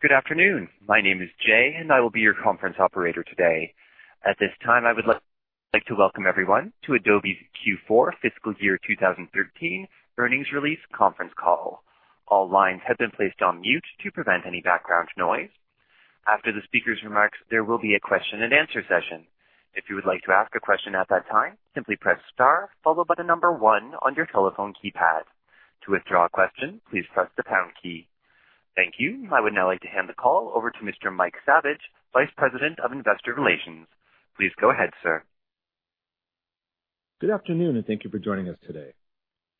Good afternoon. My name is Jay, and I will be your conference operator today. At this time, I would like to welcome everyone to Adobe's Q4 fiscal year 2013 earnings release conference call. All lines have been placed on mute to prevent any background noise. After the speaker's remarks, there will be a question and answer session. If you would like to ask a question at that time, simply press star followed by the number 1 on your telephone keypad. To withdraw a question, please press the pound key. Thank you. I would now like to hand the call over to Mr. Mike Dillon, Vice President of Investor Relations. Please go ahead, sir. Good afternoon, and thank you for joining us today.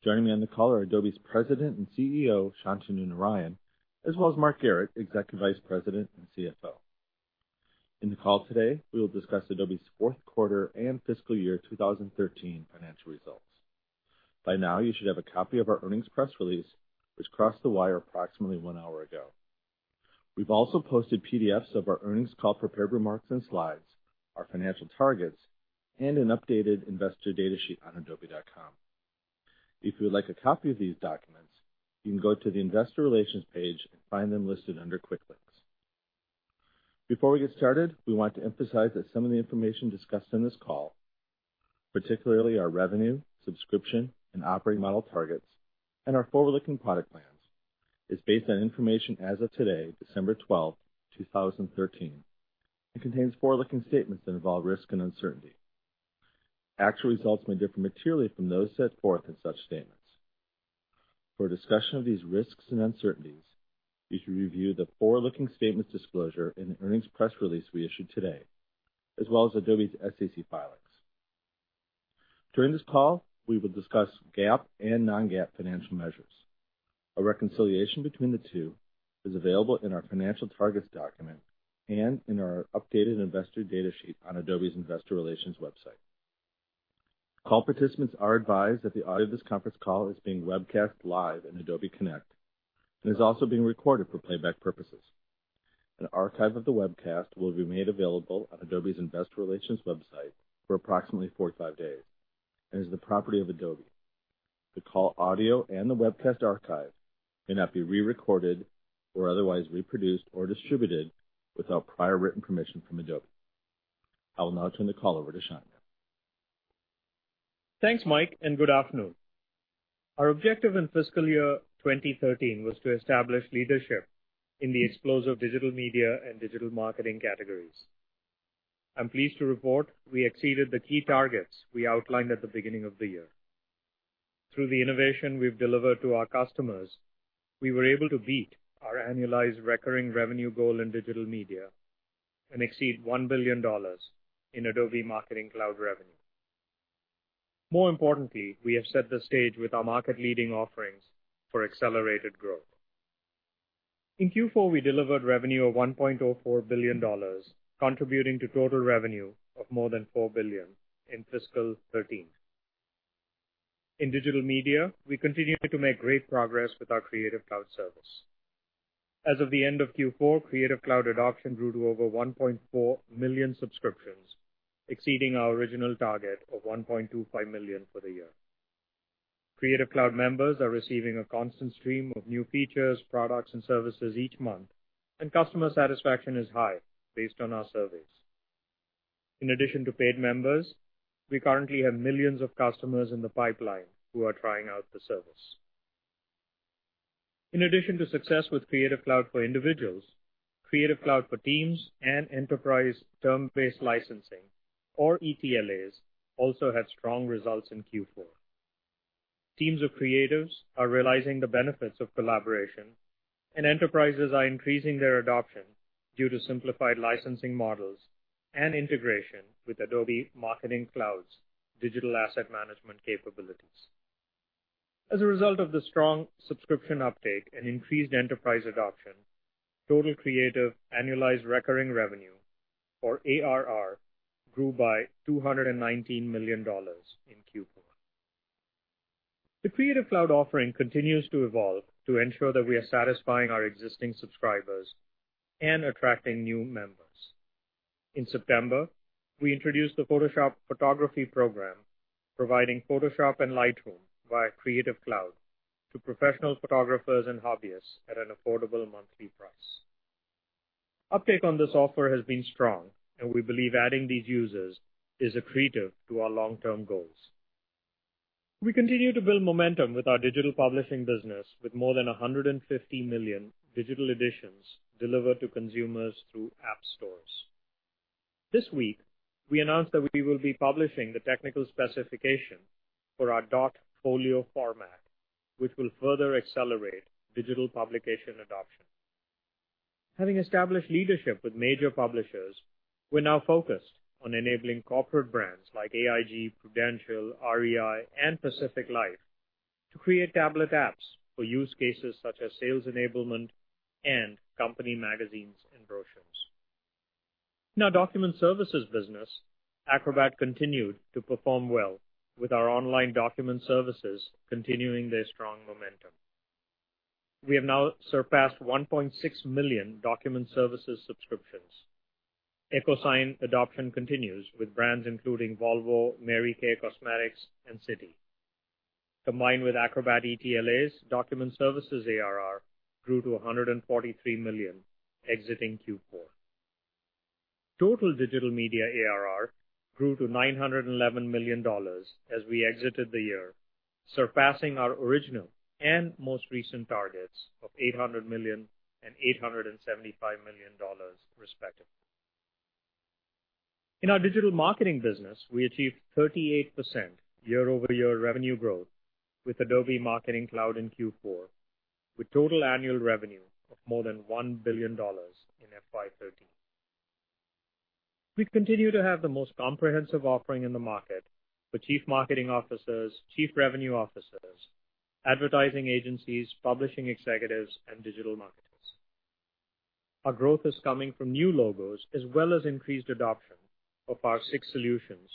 Joining me on the call are Adobe's President and CEO, Shantanu Narayen, as well as Mark Garrett, Executive Vice President and CFO. In the call today, we will discuss Adobe's fourth quarter and fiscal year 2013 financial results. By now, you should have a copy of our earnings press release, which crossed the wire approximately one hour ago. We've also posted PDFs of our earnings call prepared remarks and slides, our financial targets, and an updated investor data sheet on adobe.com. If you would like a copy of these documents, you can go to the investor relations page and find them listed under Quick Links. Before we get started, we want to emphasize that some of the information discussed on this call, particularly our revenue, subscription, and operating model targets, and our forward-looking product plans, is based on information as of today, December 12th, 2013, and contains forward-looking statements that involve risk and uncertainty. Actual results may differ materially from those set forth in such statements. For a discussion of these risks and uncertainties, please review the forward-looking statements disclosure in the earnings press release we issued today, as well as Adobe's SEC filings. During this call, we will discuss GAAP and non-GAAP financial measures. A reconciliation between the two is available in our financial targets document and in our updated investor data sheet on Adobe's investor relations website. Call participants are advised that the audio of this conference call is being webcast live on Adobe Connect and is also being recorded for playback purposes. An archive of the webcast will be made available on Adobe's investor relations website for approximately 45 days and is the property of Adobe. The call audio and the webcast archive may not be re-recorded or otherwise reproduced or distributed without prior written permission from Adobe. I will now turn the call over to Shantanu. Thanks, Mike, and good afternoon. Our objective in fiscal year 2013 was to establish leadership in the explosive digital media and digital marketing categories. I'm pleased to report we exceeded the key targets we outlined at the beginning of the year. Through the innovation we've delivered to our customers, we were able to beat our annualized recurring revenue goal in digital media and exceed $1 billion in Adobe Marketing Cloud revenue. More importantly, we have set the stage with our market-leading offerings for accelerated growth. In Q4, we delivered revenue of $1.04 billion, contributing to total revenue of more than $4 billion in FY 2013. In digital media, we continue to make great progress with our Creative Cloud service. As of the end of Q4, Creative Cloud adoption grew to over 1.4 million subscriptions, exceeding our original target of 1.25 million for the year. Creative Cloud members are receiving a constant stream of new features, products, and services each month, and customer satisfaction is high based on our surveys. In addition to paid members, we currently have millions of customers in the pipeline who are trying out the service. In addition to success with Creative Cloud for individuals, Creative Cloud for teams, and enterprise term-based licensing, or ETLAs, also had strong results in Q4. Teams of creatives are realizing the benefits of collaboration, and enterprises are increasing their adoption due to simplified licensing models and integration with Adobe Marketing Cloud's digital asset management capabilities. As a result of the strong subscription uptake and increased enterprise adoption, total Creative annualized recurring revenue, or ARR, grew by $219 million in Q4. The Creative Cloud offering continues to evolve to ensure that we are satisfying our existing subscribers and attracting new members. In September, we introduced the Photoshop Photography program, providing Photoshop and Lightroom via Creative Cloud to professional photographers and hobbyists at an affordable monthly price. Uptake on this offer has been strong, and we believe adding these users is accretive to our long-term goals. We continue to build momentum with our digital publishing business with more than 150 million digital editions delivered to consumers through app stores. This week, we announced that we will be publishing the technical specification for our .folio format, which will further accelerate digital publication adoption. Having established leadership with major publishers, we're now focused on enabling corporate brands like AIG, Prudential, REI, and Pacific Life to create tablet apps for use cases such as sales enablement and company magazines and brochures. In our document services business, Acrobat continued to perform well with our online document services continuing their strong momentum. We have now surpassed 1.6 million document services subscriptions. EchoSign adoption continues with brands including Volvo, Mary Kay Cosmetics, and Citi. Combined with Acrobat ETLAs, document services ARR grew to $143 million exiting Q4. Total digital media ARR grew to $911 million as we exited the year, surpassing our original and most recent targets of $800 million and $875 million respectively. In our digital marketing business, we achieved 38% year-over-year revenue growth with Adobe Marketing Cloud in Q4, with total annual revenue of more than $1 billion in FY 2013. We continue to have the most comprehensive offering in the market for chief marketing officers, chief revenue officers, advertising agencies, publishing executives, and digital marketers. Our growth is coming from new logos as well as increased adoption of our six solutions,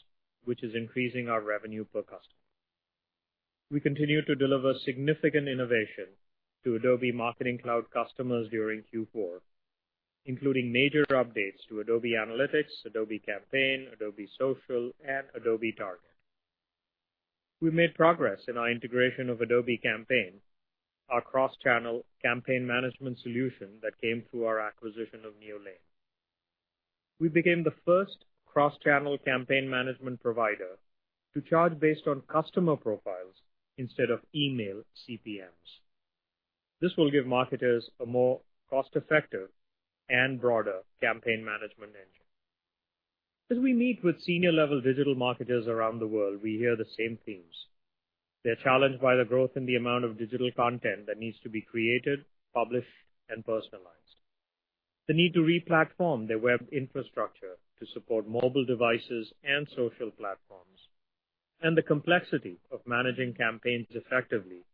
which is increasing our revenue per customer. We continued to deliver significant innovation to Adobe Marketing Cloud customers during Q4, including major updates to Adobe Analytics, Adobe Campaign, Adobe Social, and Adobe Target. We've made progress in our integration of Adobe Campaign, our cross-channel campaign management solution that came through our acquisition of Neolane. We became the first cross-channel campaign management provider to charge based on customer profiles instead of email CPMs. This will give marketers a more cost-effective and broader campaign management engine. As we meet with senior-level digital marketers around the world, we hear the same themes. They're challenged by the growth in the amount of digital content that needs to be created, published, and personalized. The need to re-platform their web infrastructure to support mobile devices and social platforms, and the complexity of managing campaigns effectively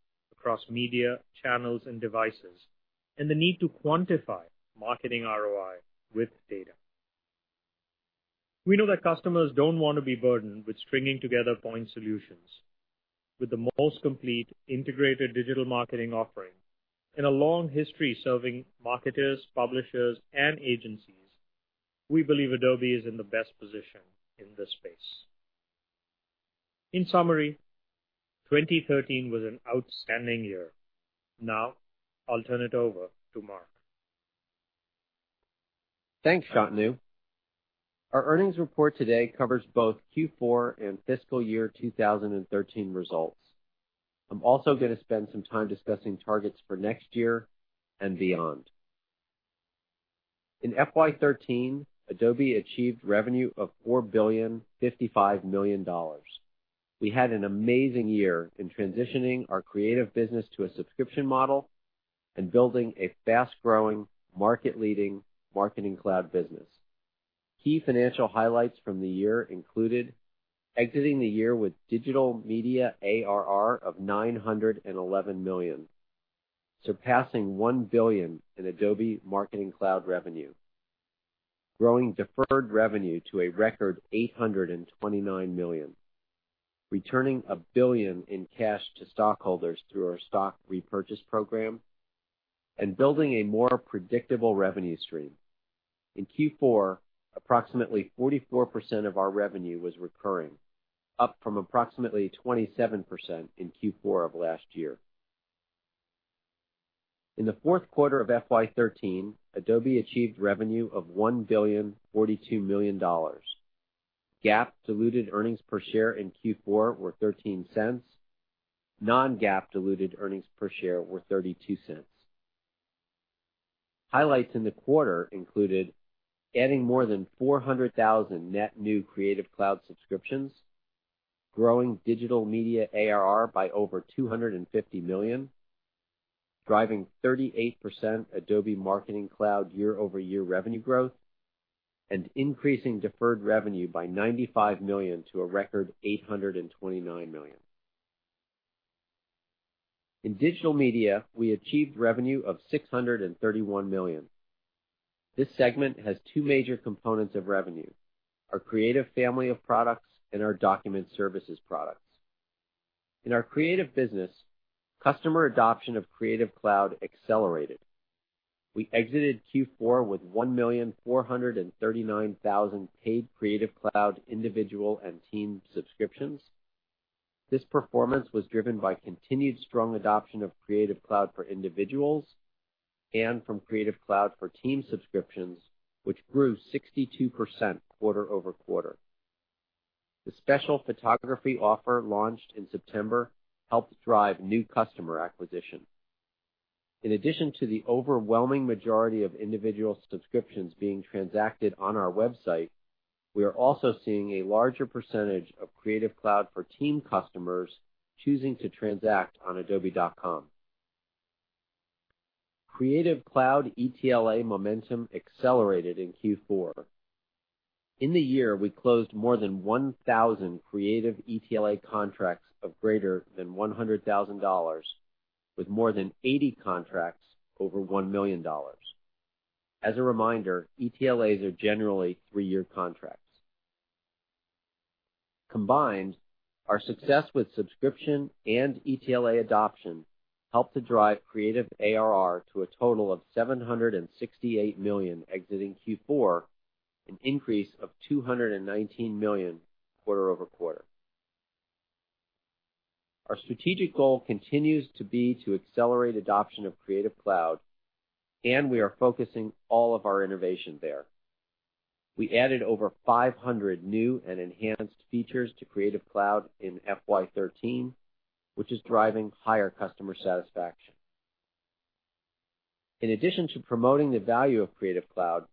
across media channels and devices, and the need to quantify marketing ROI with data. We know that customers don't want to be burdened with stringing together point solutions. With the most complete integrated digital marketing offering and a long history serving marketers, publishers, and agencies, we believe Adobe is in the best position in this space. In summary, 2013 was an outstanding year. Now, I'll turn it over to Mark. Thanks, Shantanu. Our earnings report today covers both Q4 and fiscal year 2013 results. I'm also going to spend some time discussing targets for next year and beyond. In FY 2013, Adobe achieved revenue of $4 billion 55 million. We had an amazing year in transitioning our creative business to a subscription model and building a fast-growing, market-leading Adobe Marketing Cloud business. Key financial highlights from the year included exiting the year with digital media ARR of $911 million, surpassing $1 billion in Adobe Marketing Cloud revenue, growing deferred revenue to a record $829 million, returning $1 billion in cash to stockholders through our stock repurchase program, and building a more predictable revenue stream. In Q4, approximately 44% of our revenue was recurring, up from approximately 27% in Q4 of last year. In the fourth quarter of FY 2013, Adobe achieved revenue of $1 billion 42 million. GAAP diluted earnings per share in Q4 were $0.13. Non-GAAP diluted earnings per share were $0.32. Highlights in the quarter included adding more than 400,000 net new Creative Cloud subscriptions, growing digital media ARR by over $250 million, driving 38% Adobe Marketing Cloud year-over-year revenue growth, and increasing deferred revenue by $95 million to a record $829 million. In digital media, we achieved revenue of $631 million. This segment has two major components of revenue: our Creative family of products and our Document Services products. In our Creative business, customer adoption of Creative Cloud accelerated. We exited Q4 with 1,439,000 paid Creative Cloud individual and team subscriptions. This performance was driven by continued strong adoption of Creative Cloud for individuals and from Creative Cloud for teams subscriptions, which grew 62% quarter-over-quarter. The special photography offer launched in September helped drive new customer acquisition. In addition to the overwhelming majority of individual subscriptions being transacted on our website, we are also seeing a larger percentage of Creative Cloud for team customers choosing to transact on adobe.com. Creative Cloud ETLA momentum accelerated in Q4. In the year, we closed more than 1,000 Creative ETLA contracts of greater than $100,000 with more than 80 contracts over $1 million. As a reminder, ETLAs are generally three-year contracts. Combined, our success with subscription and ETLA adoption helped to drive Creative ARR to a total of $768 million exiting Q4, an increase of $219 million quarter-over-quarter. Our strategic goal continues to be to accelerate adoption of Creative Cloud. We are focusing all of our innovation there. We added over 500 new and enhanced features to Creative Cloud in FY 2013, which is driving higher customer satisfaction. In addition to promoting the value of Creative Cloud,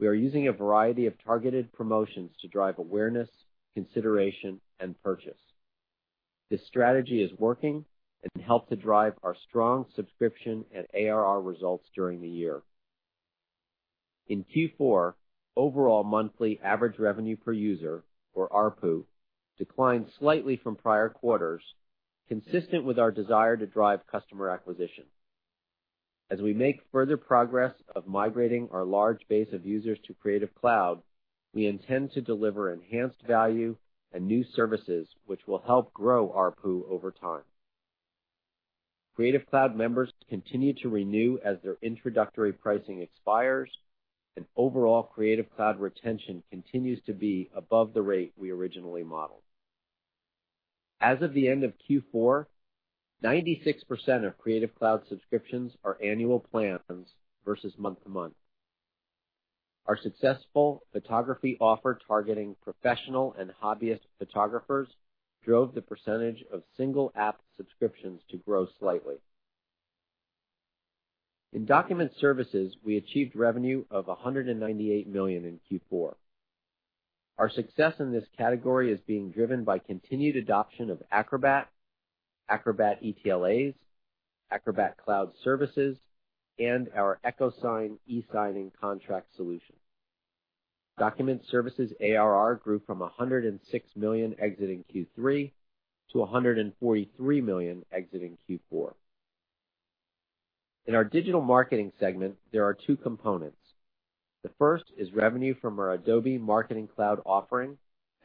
we are using a variety of targeted promotions to drive awareness, consideration, and purchase. This strategy is working and helped to drive our strong subscription and ARR results during the year. In Q4, overall monthly average revenue per user, or ARPU, declined slightly from prior quarters, consistent with our desire to drive customer acquisition. As we make further progress of migrating our large base of users to Creative Cloud, we intend to deliver enhanced value and new services, which will help grow ARPU over time. Creative Cloud members continue to renew as their introductory pricing expires. Overall Creative Cloud retention continues to be above the rate we originally modeled. As of the end of Q4, 96% of Creative Cloud subscriptions are annual plans versus month-to-month. Our successful photography offer targeting professional and hobbyist photographers drove the percentage of single app subscriptions to grow slightly. In Document Services, we achieved revenue of $198 million in Q4. Our success in this category is being driven by continued adoption of Acrobat ETLAs, Acrobat Cloud services, and our EchoSign e-signing contract solution. Document Services ARR grew from $106 million exiting Q3 to $143 million exiting Q4. In our digital marketing segment, there are two components. The first is revenue from our Adobe Marketing Cloud offering.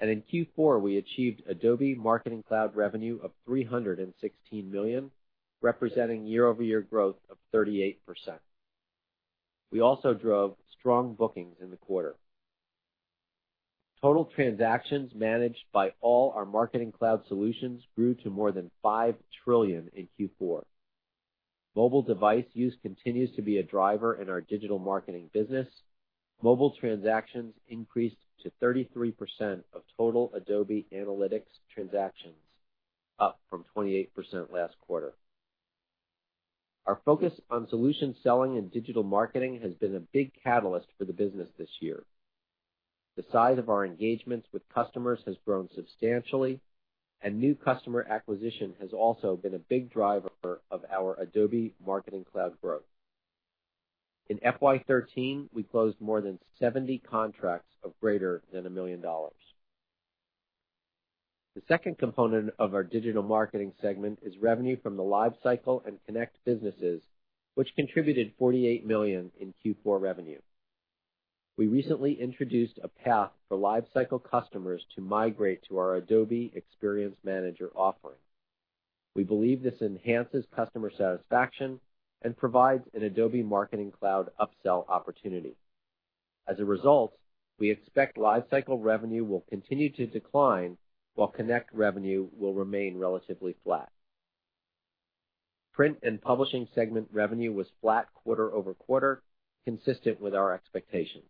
In Q4, we achieved Adobe Marketing Cloud revenue of $316 million, representing year-over-year growth of 38%. We also drove strong bookings in the quarter. Total transactions managed by all our Marketing Cloud solutions grew to more than 5 trillion in Q4. Mobile device use continues to be a driver in our digital marketing business. Mobile transactions increased to 33% of total Adobe Analytics transactions, up from 28% last quarter. Our focus on solution selling and digital marketing has been a big catalyst for the business this year. The size of our engagements with customers has grown substantially. New customer acquisition has also been a big driver of our Adobe Marketing Cloud growth. In FY 2013, we closed more than 70 contracts of greater than $1 million. The second component of our digital marketing segment is revenue from the LiveCycle and Connect businesses, which contributed $48 million in Q4 revenue. We recently introduced a path for LiveCycle customers to migrate to our Adobe Experience Manager offering. We believe this enhances customer satisfaction and provides an Adobe Marketing Cloud upsell opportunity. We expect LiveCycle revenue will continue to decline while Connect revenue will remain relatively flat. Print and Publishing segment revenue was flat quarter-over-quarter, consistent with our expectations.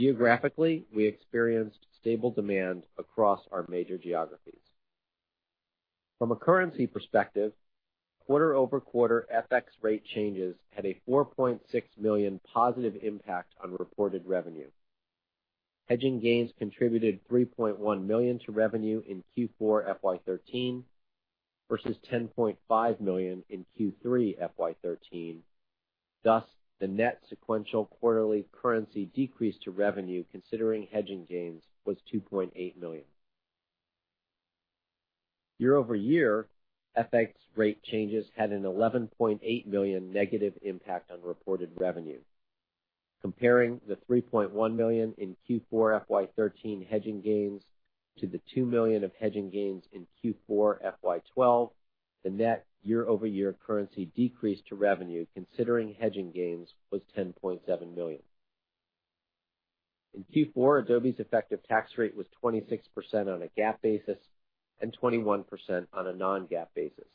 Geographically, we experienced stable demand across our major geographies. From a currency perspective, quarter-over-quarter FX rate changes had a $4.6 million positive impact on reported revenue. Hedging gains contributed $3.1 million to revenue in Q4 FY 2013 versus $10.5 million in Q3 FY 2013. Thus, the net sequential quarterly currency decrease to revenue considering hedging gains was $2.8 million. Year-over-year, FX rate changes had an $11.8 million negative impact on reported revenue. Comparing the $3.1 million in Q4 FY 2013 hedging gains to the $2 million of hedging gains in Q4 FY 2012, the net year-over-year currency decrease to revenue considering hedging gains was $10.7 million. In Q4, Adobe's effective tax rate was 26% on a GAAP basis and 21% on a non-GAAP basis.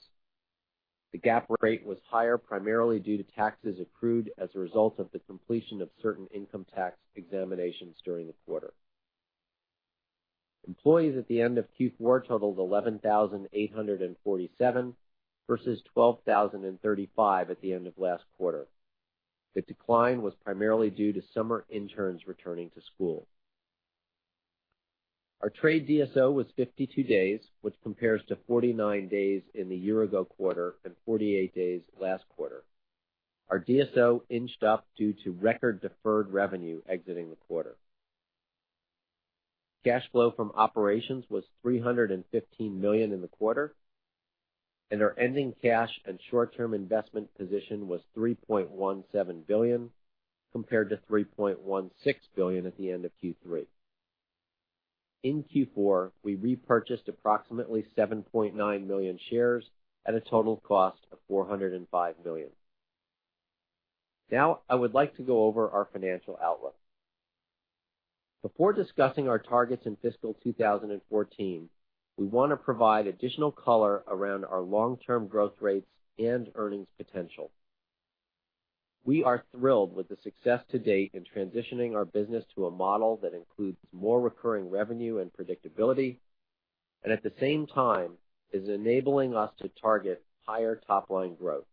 The GAAP rate was higher primarily due to taxes accrued as a result of the completion of certain income tax examinations during the quarter. Employees at the end of Q4 totaled 11,847 versus 12,035 at the end of last quarter. The decline was primarily due to summer interns returning to school. Our trade DSO was 52 days, which compares to 49 days in the year-ago quarter and 48 days last quarter. Our DSO inched up due to record deferred revenue exiting the quarter. Cash flow from operations was $315 million in the quarter, and our ending cash and short-term investment position was $3.17 billion, compared to $3.16 billion at the end of Q3. In Q4, we repurchased approximately 7.9 million shares at a total cost of $405 million. I would like to go over our financial outlook. Before discussing our targets in fiscal 2014, we want to provide additional color around our long-term growth rates and earnings potential. We are thrilled with the success to date in transitioning our business to a model that includes more recurring revenue and predictability, and at the same time is enabling us to target higher top-line growth.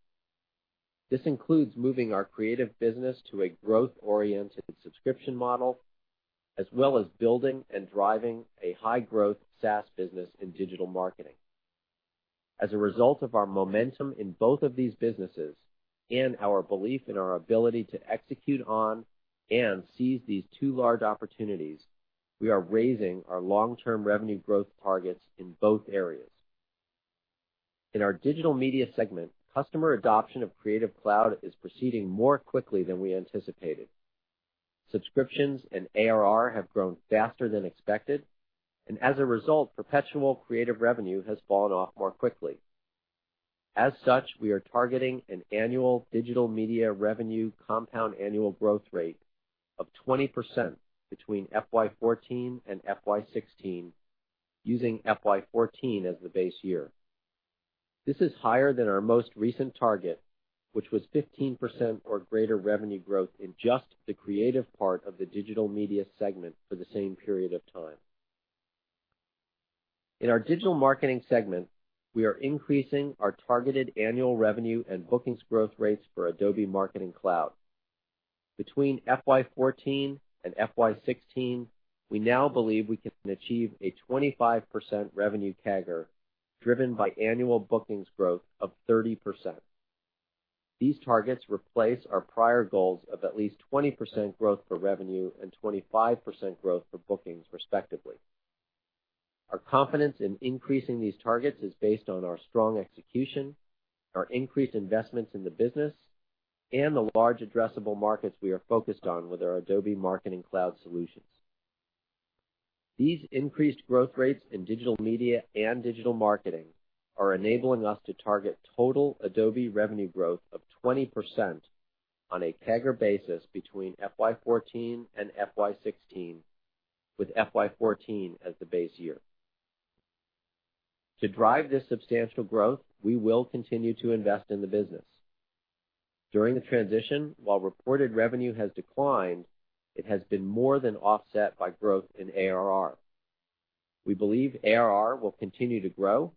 This includes moving our creative business to a growth-oriented subscription model, as well as building and driving a high-growth SaaS business in digital marketing. As a result of our momentum in both of these businesses and our belief in our ability to execute on and seize these two large opportunities, we are raising our long-term revenue growth targets in both areas. In our digital media segment, customer adoption of Creative Cloud is proceeding more quickly than we anticipated. Subscriptions and ARR have grown faster than expected, and as a result, perpetual creative revenue has fallen off more quickly. As such, we are targeting an annual digital media revenue compound annual growth rate of 20% between FY 2014 and FY 2016, using FY 2014 as the base year. This is higher than our most recent target, which was 15% or greater revenue growth in just the creative part of the digital media segment for the same period of time. In our digital marketing segment, we are increasing our targeted annual revenue and bookings growth rates for Adobe Marketing Cloud. Between FY 2014 and FY 2016, we now believe we can achieve a 25% revenue CAGR, driven by annual bookings growth of 30%. These targets replace our prior goals of at least 20% growth for revenue and 25% growth for bookings, respectively. Our confidence in increasing these targets is based on our strong execution, our increased investments in the business, and the large addressable markets we are focused on with our Adobe Marketing Cloud solutions. These increased growth rates in digital media and digital marketing are enabling us to target total Adobe revenue growth of 20% on a CAGR basis between FY 2014 and FY 2016, with FY 2014 as the base year. To drive this substantial growth, we will continue to invest in the business. During the transition, while reported revenue has declined, it has been more than offset by growth in ARR. We believe ARR will continue to grow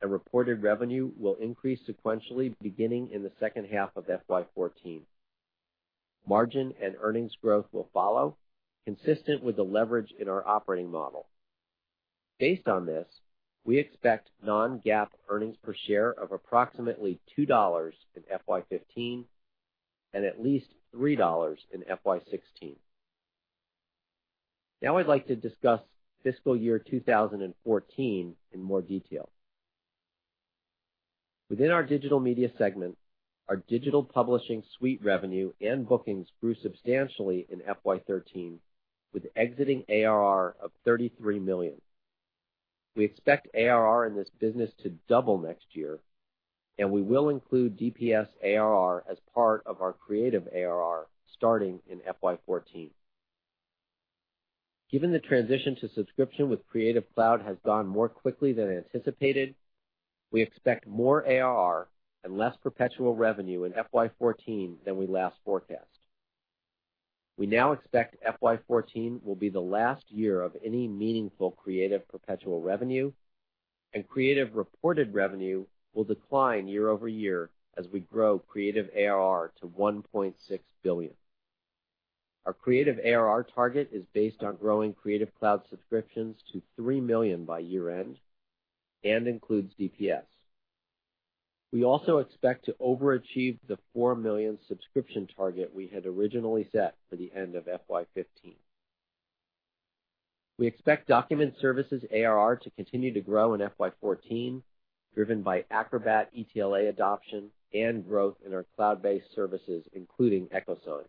and reported revenue will increase sequentially beginning in the second half of FY 2014. Margin and earnings growth will follow, consistent with the leverage in our operating model. Based on this, we expect non-GAAP earnings per share of approximately $2 in FY 2015 and at least $3 in FY 2016. I'd like to discuss fiscal year 2014 in more detail. Within our digital media segment, our Digital Publishing Suite revenue and bookings grew substantially in FY 2013, with exiting ARR of $33 million. We expect ARR in this business to double next year, and we will include DPS ARR as part of our Creative ARR starting in FY 2014. Given the transition to subscription with Creative Cloud has gone more quickly than anticipated, we expect more ARR and less perpetual revenue in FY 2014 than we last forecast. We now expect FY 2014 will be the last year of any meaningful Creative perpetual revenue, and Creative reported revenue will decline year-over-year as we grow Creative ARR to $1.6 billion. Our Creative ARR target is based on growing Creative Cloud subscriptions to 3 million by year-end and includes DPS. We also expect to overachieve the 4 million subscription target we had originally set for the end of FY 2015. We expect Document Services ARR to continue to grow in FY 2014, driven by Acrobat ETLA adoption and growth in our cloud-based services, including EchoSign.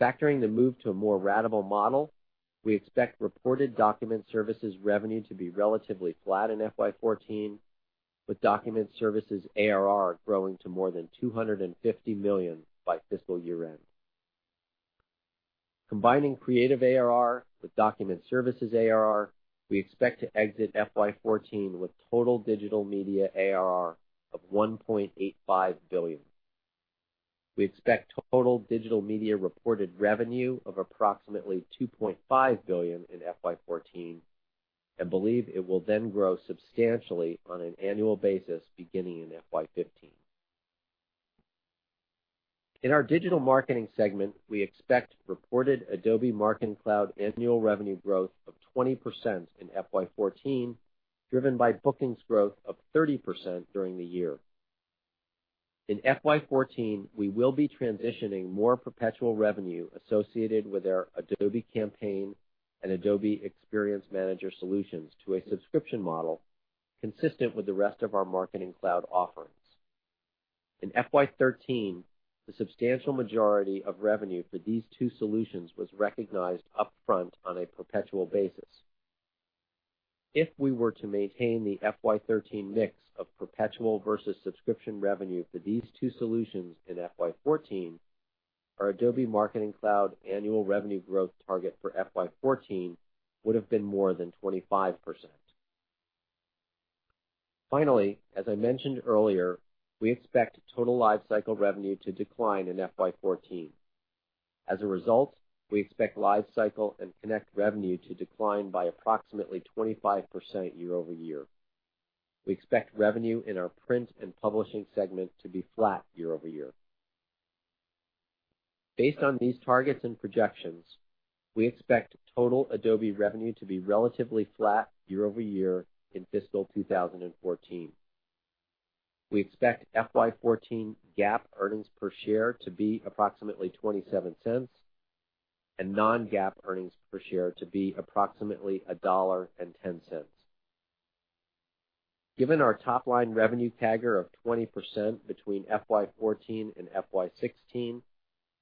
Factoring the move to a more ratable model, we expect reported Document Services revenue to be relatively flat in FY 2014, with Document Services ARR growing to more than $250 million by fiscal year-end. Combining Creative ARR with Document Services ARR, we expect to exit FY 2014 with total digital media ARR of $1.85 billion. We expect total digital media reported revenue of approximately $2.5 billion in FY 2014 and believe it will then grow substantially on an annual basis beginning in FY 2015. In our digital marketing segment, we expect reported Adobe Marketing Cloud annual revenue growth of 20% in FY 2014, driven by bookings growth of 30% during the year. In FY 2014, we will be transitioning more perpetual revenue associated with our Adobe Campaign and Adobe Experience Manager solutions to a subscription model consistent with the rest of our Marketing Cloud offerings. In FY 2013, the substantial majority of revenue for these two solutions was recognized upfront on a perpetual basis. If we were to maintain the FY 2013 mix of perpetual versus subscription revenue for these two solutions in FY 2014, our Adobe Marketing Cloud annual revenue growth target for FY 2014 would have been more than 25%. Finally, as I mentioned earlier, we expect total LiveCycle revenue to decline in FY 2014. As a result, we expect LiveCycle and Connect revenue to decline by approximately 25% year-over-year. We expect revenue in our print and publishing segment to be flat year-over-year. Based on these targets and projections, we expect total Adobe revenue to be relatively flat year-over-year in fiscal 2014. We expect FY 2014 GAAP earnings per share to be approximately $0.27 and non-GAAP earnings per share to be approximately $1.10. Given our top-line revenue CAGR of 20% between FY 2014 and FY 2016,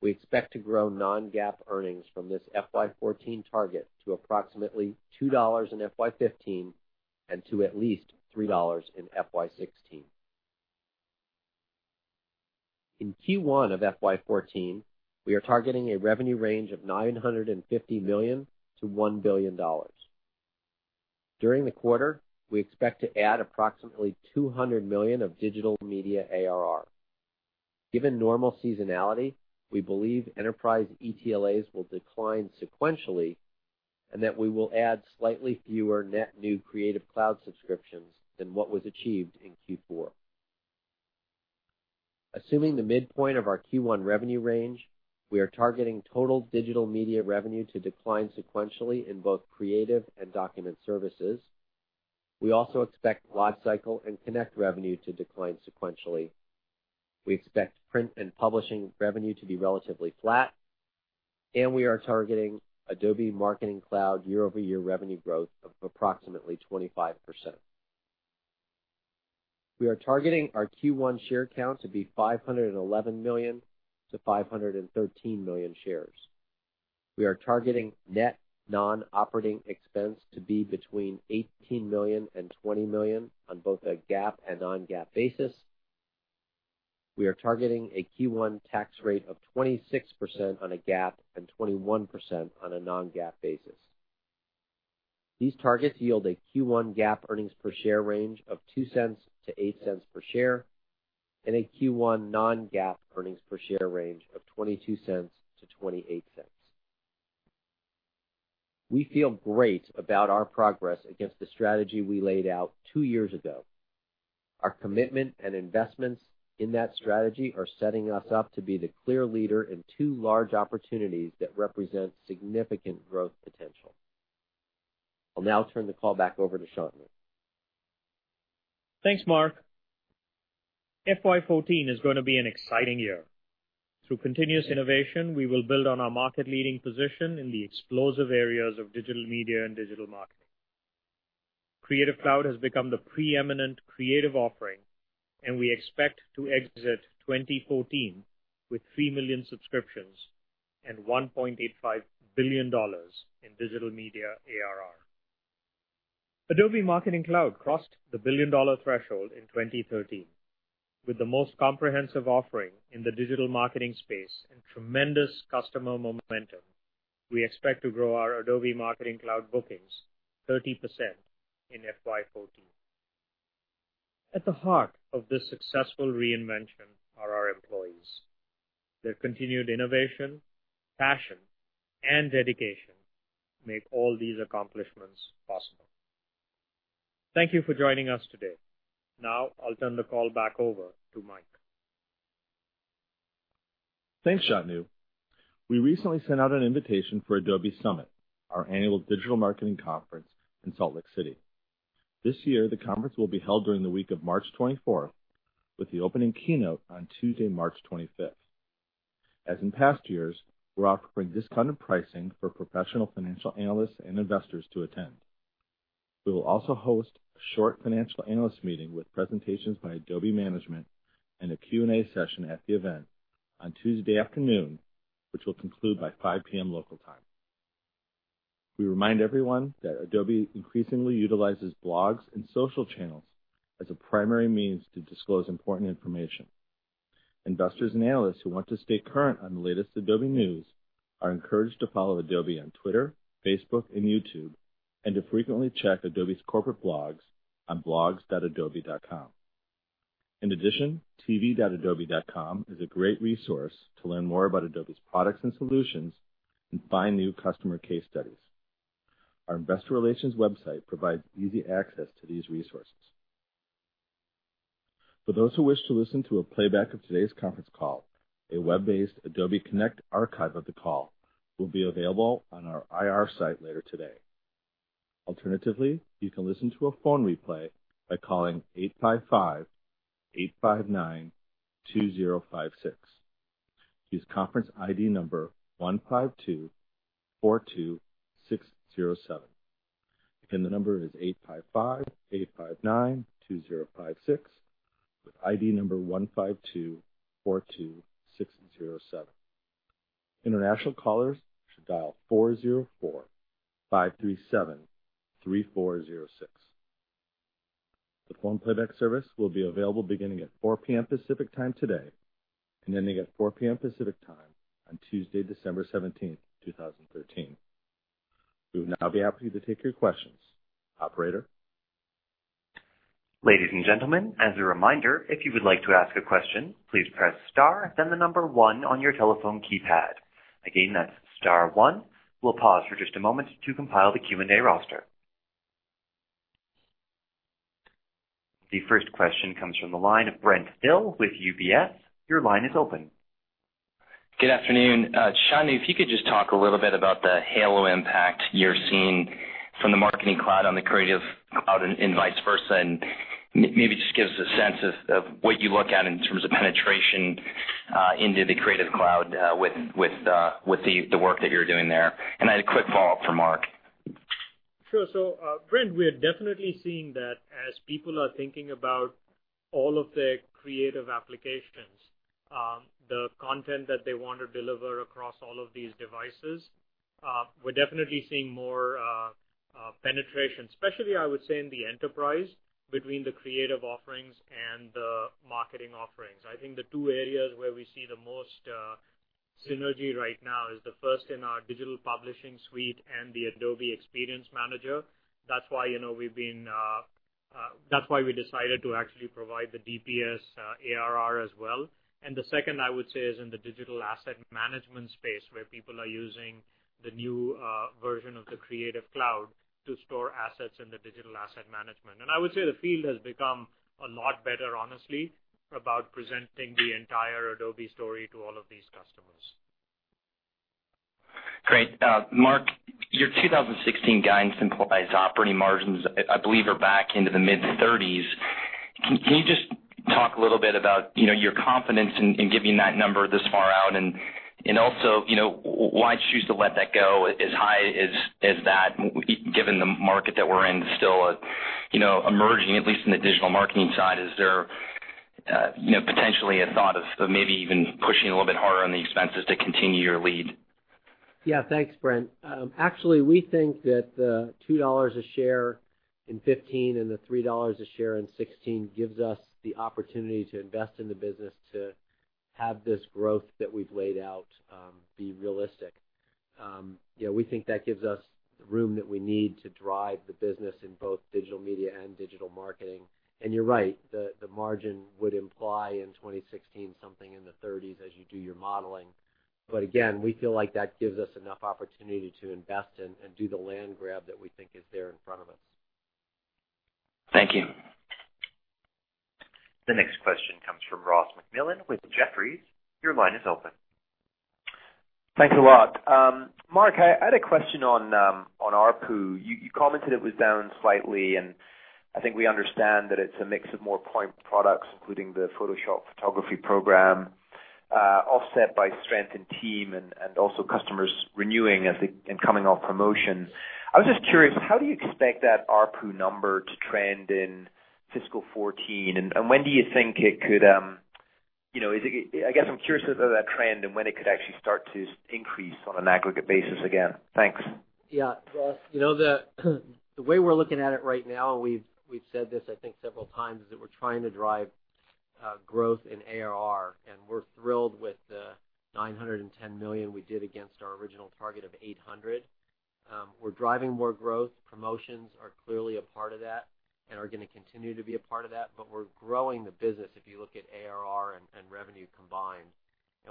we expect to grow non-GAAP earnings from this FY 2014 target to approximately $2 in FY 2015 and to at least $3 in FY 2016. In Q1 of FY 2014, we are targeting a revenue range of $950 million-$1 billion. During the quarter, we expect to add approximately $200 million of Digital Media ARR. Given normal seasonality, we believe enterprise ETLAs will decline sequentially and that we will add slightly fewer net new Creative Cloud subscriptions than what was achieved in Q4. Assuming the midpoint of our Q1 revenue range, we are targeting total Digital Media revenue to decline sequentially in both Creative and Document Services. We also expect LiveCycle and Connect revenue to decline sequentially. We expect print and publishing revenue to be relatively flat, and we are targeting Adobe Marketing Cloud year-over-year revenue growth of approximately 25%. We are targeting our Q1 share count to be 511 million-513 million shares. We are targeting net non-operating expense to be between $18 million and $20 million on both a GAAP and non-GAAP basis. We are targeting a Q1 tax rate of 26% on a GAAP and 21% on a non-GAAP basis. These targets yield a Q1 GAAP earnings per share range of $0.02-$0.08 per share and a Q1 non-GAAP earnings per share range of $0.22-$0.28. We feel great about our progress against the strategy we laid out two years ago. Our commitment and investments in that strategy are setting us up to be the clear leader in two large opportunities that represent significant growth potential. I'll now turn the call back over to Shantanu. Thanks, Mark. FY 2014 is going to be an exciting year. Through continuous innovation, we will build on our market-leading position in the explosive areas of digital media and digital marketing. Creative Cloud has become the preeminent creative offering, and we expect to exit 2014 with 3 million subscriptions and $1.85 billion in Digital Media ARR. Adobe Marketing Cloud crossed the billion-dollar threshold in 2013. With the most comprehensive offering in the digital marketing space and tremendous customer momentum, we expect to grow our Adobe Marketing Cloud bookings 30% in FY 2014. At the heart of this successful reinvention are our employees. Their continued innovation, passion, and dedication make all these accomplishments possible. Thank you for joining us today. Now I'll turn the call back over to Mike. Thanks, Shantanu. We recently sent out an invitation for Adobe Summit, our annual digital marketing conference in Salt Lake City. This year, the conference will be held during the week of March 24th, with the opening keynote on Tuesday, March 25th. As in past years, we're offering discounted pricing for professional financial analysts and investors to attend. We will also host a short financial analyst meeting with presentations by Adobe management and a Q&A session at the event on Tuesday afternoon, which will conclude by 5:00 P.M. local time. We remind everyone that Adobe increasingly utilizes blogs and social channels as a primary means to disclose important information. Investors and analysts who want to stay current on the latest Adobe news are encouraged to follow Adobe on Twitter, Facebook, and YouTube, and to frequently check Adobe's corporate blogs on blogs.adobe.com. tv.adobe.com is a great resource to learn more about Adobe's products and solutions and find new customer case studies. Our investor relations website provides easy access to these resources. For those who wish to listen to a playback of today's conference call, a web-based Adobe Connect archive of the call will be available on our IR site later today. Alternatively, you can listen to a phone replay by calling 855-859-2056. Use conference ID number 15242607. Again, the number is 855-859-2056 with ID number 15242607. International callers should dial 404-537-3406. The phone playback service will be available beginning at 4:00 P.M. Pacific Time today, and ending at 4:00 P.M. Pacific Time on Tuesday, December 17th, 2013. We will now be happy to take your questions. Operator? Ladies and gentlemen, as a reminder, if you would like to ask a question, please press star then the number one on your telephone keypad. Again, that's star one. We'll pause for just a moment to compile the Q&A roster. The first question comes from the line of Brent Thill with UBS. Your line is open. Good afternoon. Shantanu, if you could just talk a little bit about the Halo impact you're seeing from the Marketing Cloud on the Creative Cloud and vice versa, and maybe just give us a sense of what you look at in terms of penetration into the Creative Cloud with the work that you're doing there. I had a quick follow-up for Mark. Sure. Brent, we're definitely seeing that as people are thinking about all of their creative applications, the content that they want to deliver across all of these devices. We're definitely seeing more penetration, especially I would say in the enterprise between the creative offerings and the marketing offerings. I think the two areas where we see the most synergy right now is the first in our Digital Publishing Suite and the Adobe Experience Manager. That's why we decided to actually provide the DPS ARR as well. The second, I would say, is in the digital asset management space, where people are using the new version of the Creative Cloud to store assets in the digital asset management. I would say the field has become a lot better, honestly, about presenting the entire Adobe story to all of these customers. Great. Mark, your 2016 guidance implies operating margins, I believe, are back into the mid-30s. Can you just talk a little bit about your confidence in giving that number this far out? Also, why choose to let that go as high as that, given the market that we're in is still emerging, at least in the digital marketing side? Is there potentially a thought of maybe even pushing a little bit harder on the expenses to continue your lead? Yeah. Thanks, Brent. Actually, we think that the $2 a share in 2015 and the $3 a share in 2016 gives us the opportunity to invest in the business to have this growth that we've laid out be realistic. We think that gives us the room that we need to drive the business in both digital media and digital marketing. You're right, the margin would imply in 2016, something in the 30s as you do your modeling. Again, we feel like that gives us enough opportunity to invest and do the land grab that we think is there in front of us. Thank you. The next question comes from Ross MacMillan with Jefferies. Your line is open. Thanks a lot, Mark. I had a question on ARPU. You commented it was down slightly, I think we understand that it's a mix of more point products, including the Photoshop photography program, offset by strength in team and also customers renewing as coming off promotion. I was just curious, how do you expect that ARPU number to trend in fiscal 2014, and when do you think it could, I guess I'm curious about that trend, and when it could actually start to increase on an aggregate basis again. Thanks. Yeah, Ross, the way we're looking at it right now, we've said this I think several times, is that we're trying to drive growth in ARR, and we're thrilled with the $910 million we did against our original target of $800 million. We're driving more growth. Promotions are clearly a part of that and are going to continue to be a part of that, but we're growing the business, if you look at ARR and revenue combined.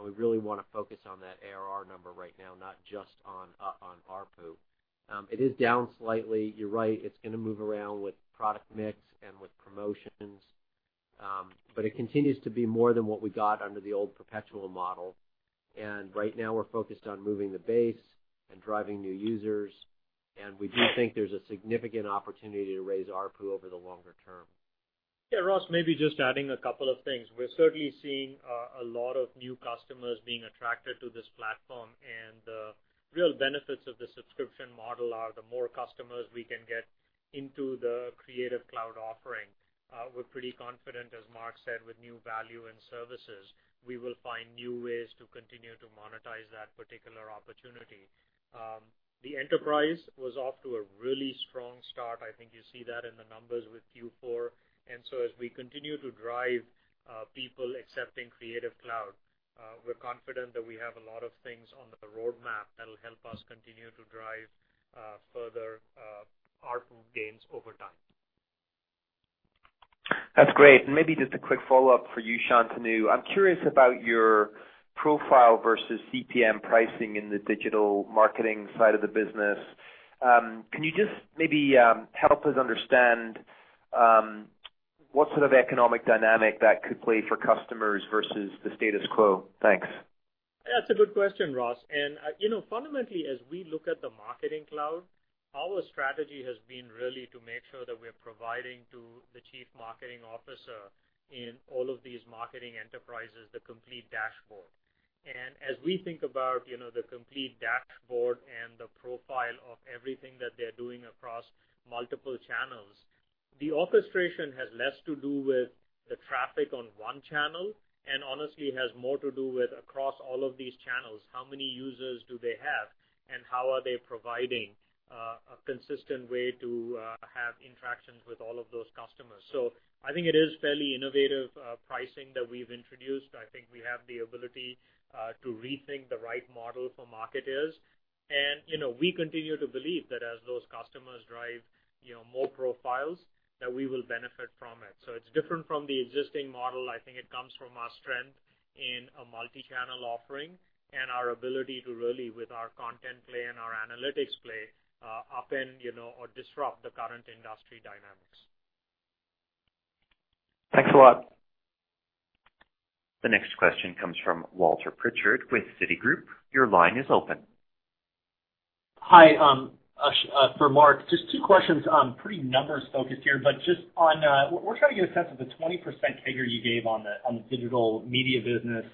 We really want to focus on that ARR number right now, not just on ARPU. It is down slightly. You're right. It's going to move around with product mix and with promotions. It continues to be more than what we got under the old perpetual model. Right now, we're focused on moving the base and driving new users, and we do think there's a significant opportunity to raise ARPU over the longer term. Ross, maybe just adding a couple of things. We're certainly seeing a lot of new customers being attracted to this platform, and the real benefits of the subscription model are the more customers we can get into the Creative Cloud offering. We're pretty confident, as Mark said, with new value and services. We will find new ways to continue to monetize that particular opportunity. The enterprise was off to a really strong start. I think you see that in the numbers with Q4. As we continue to drive people accepting Creative Cloud, we're confident that we have a lot of things on the roadmap that'll help us continue to drive further ARPU gains over time. That's great. Maybe just a quick follow-up for you, Shantanu. I'm curious about your profile versus CPM pricing in the digital marketing side of the business. Can you just maybe help us understand what sort of economic dynamic that could play for customers versus the status quo? Thanks. That's a good question, Ross. Fundamentally, as we look at the Adobe Marketing Cloud, our strategy has been really to make sure that we're providing to the chief marketing officer in all of these marketing enterprises the complete dashboard. As we think about the complete dashboard and the profile of everything that they're doing across multiple channels, the orchestration has less to do with the traffic on one channel, and honestly has more to do with across all of these channels, how many users do they have, and how are they providing a consistent way to have interactions with all of those customers? I think it is fairly innovative pricing that we've introduced. I think we have the ability to rethink the right model for marketeers. We continue to believe that as those customers drive more profiles, that we will benefit from it. It's different from the existing model. I think it comes from our strength in a multi-channel offering and our ability to really, with our content play and our analytics play, upend or disrupt the current industry dynamics. Thanks a lot. The next question comes from Walter Pritchard with Citigroup. Your line is open. Hi. For Mark, just two questions, pretty numbers focused here, but just on, we're trying to get a sense of the 20% figure you gave on the digital media business.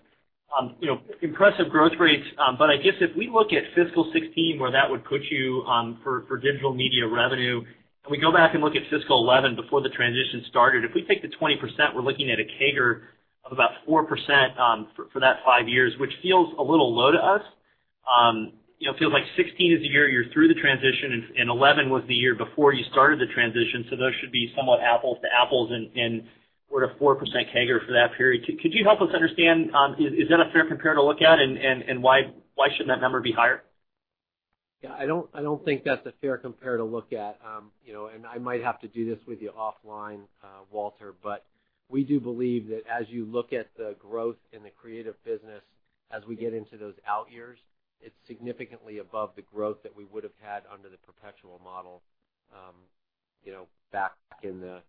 Impressive growth rates, but I guess if we look at fiscal 2016, where that would put you for digital media revenue, we go back and look at fiscal 2011 before the transition started, if we take the 20%, we're looking at a CAGR of about 4% for that five years, which feels a little low to us. It feels like 2016 is the year you're through the transition, 2011 was the year before you started the transition, so those should be somewhat apples to apples and sort of 4% CAGR for that period. Could you help us understand, is that a fair compare to look at, why shouldn't that number be higher? Yeah, I don't think that's a fair compare to look at. I might have to do this with you offline, Walter. We do believe that as you look at the growth in the Creative business, as we get into those out years, it's significantly above the growth that we would've had under the perpetual model back in the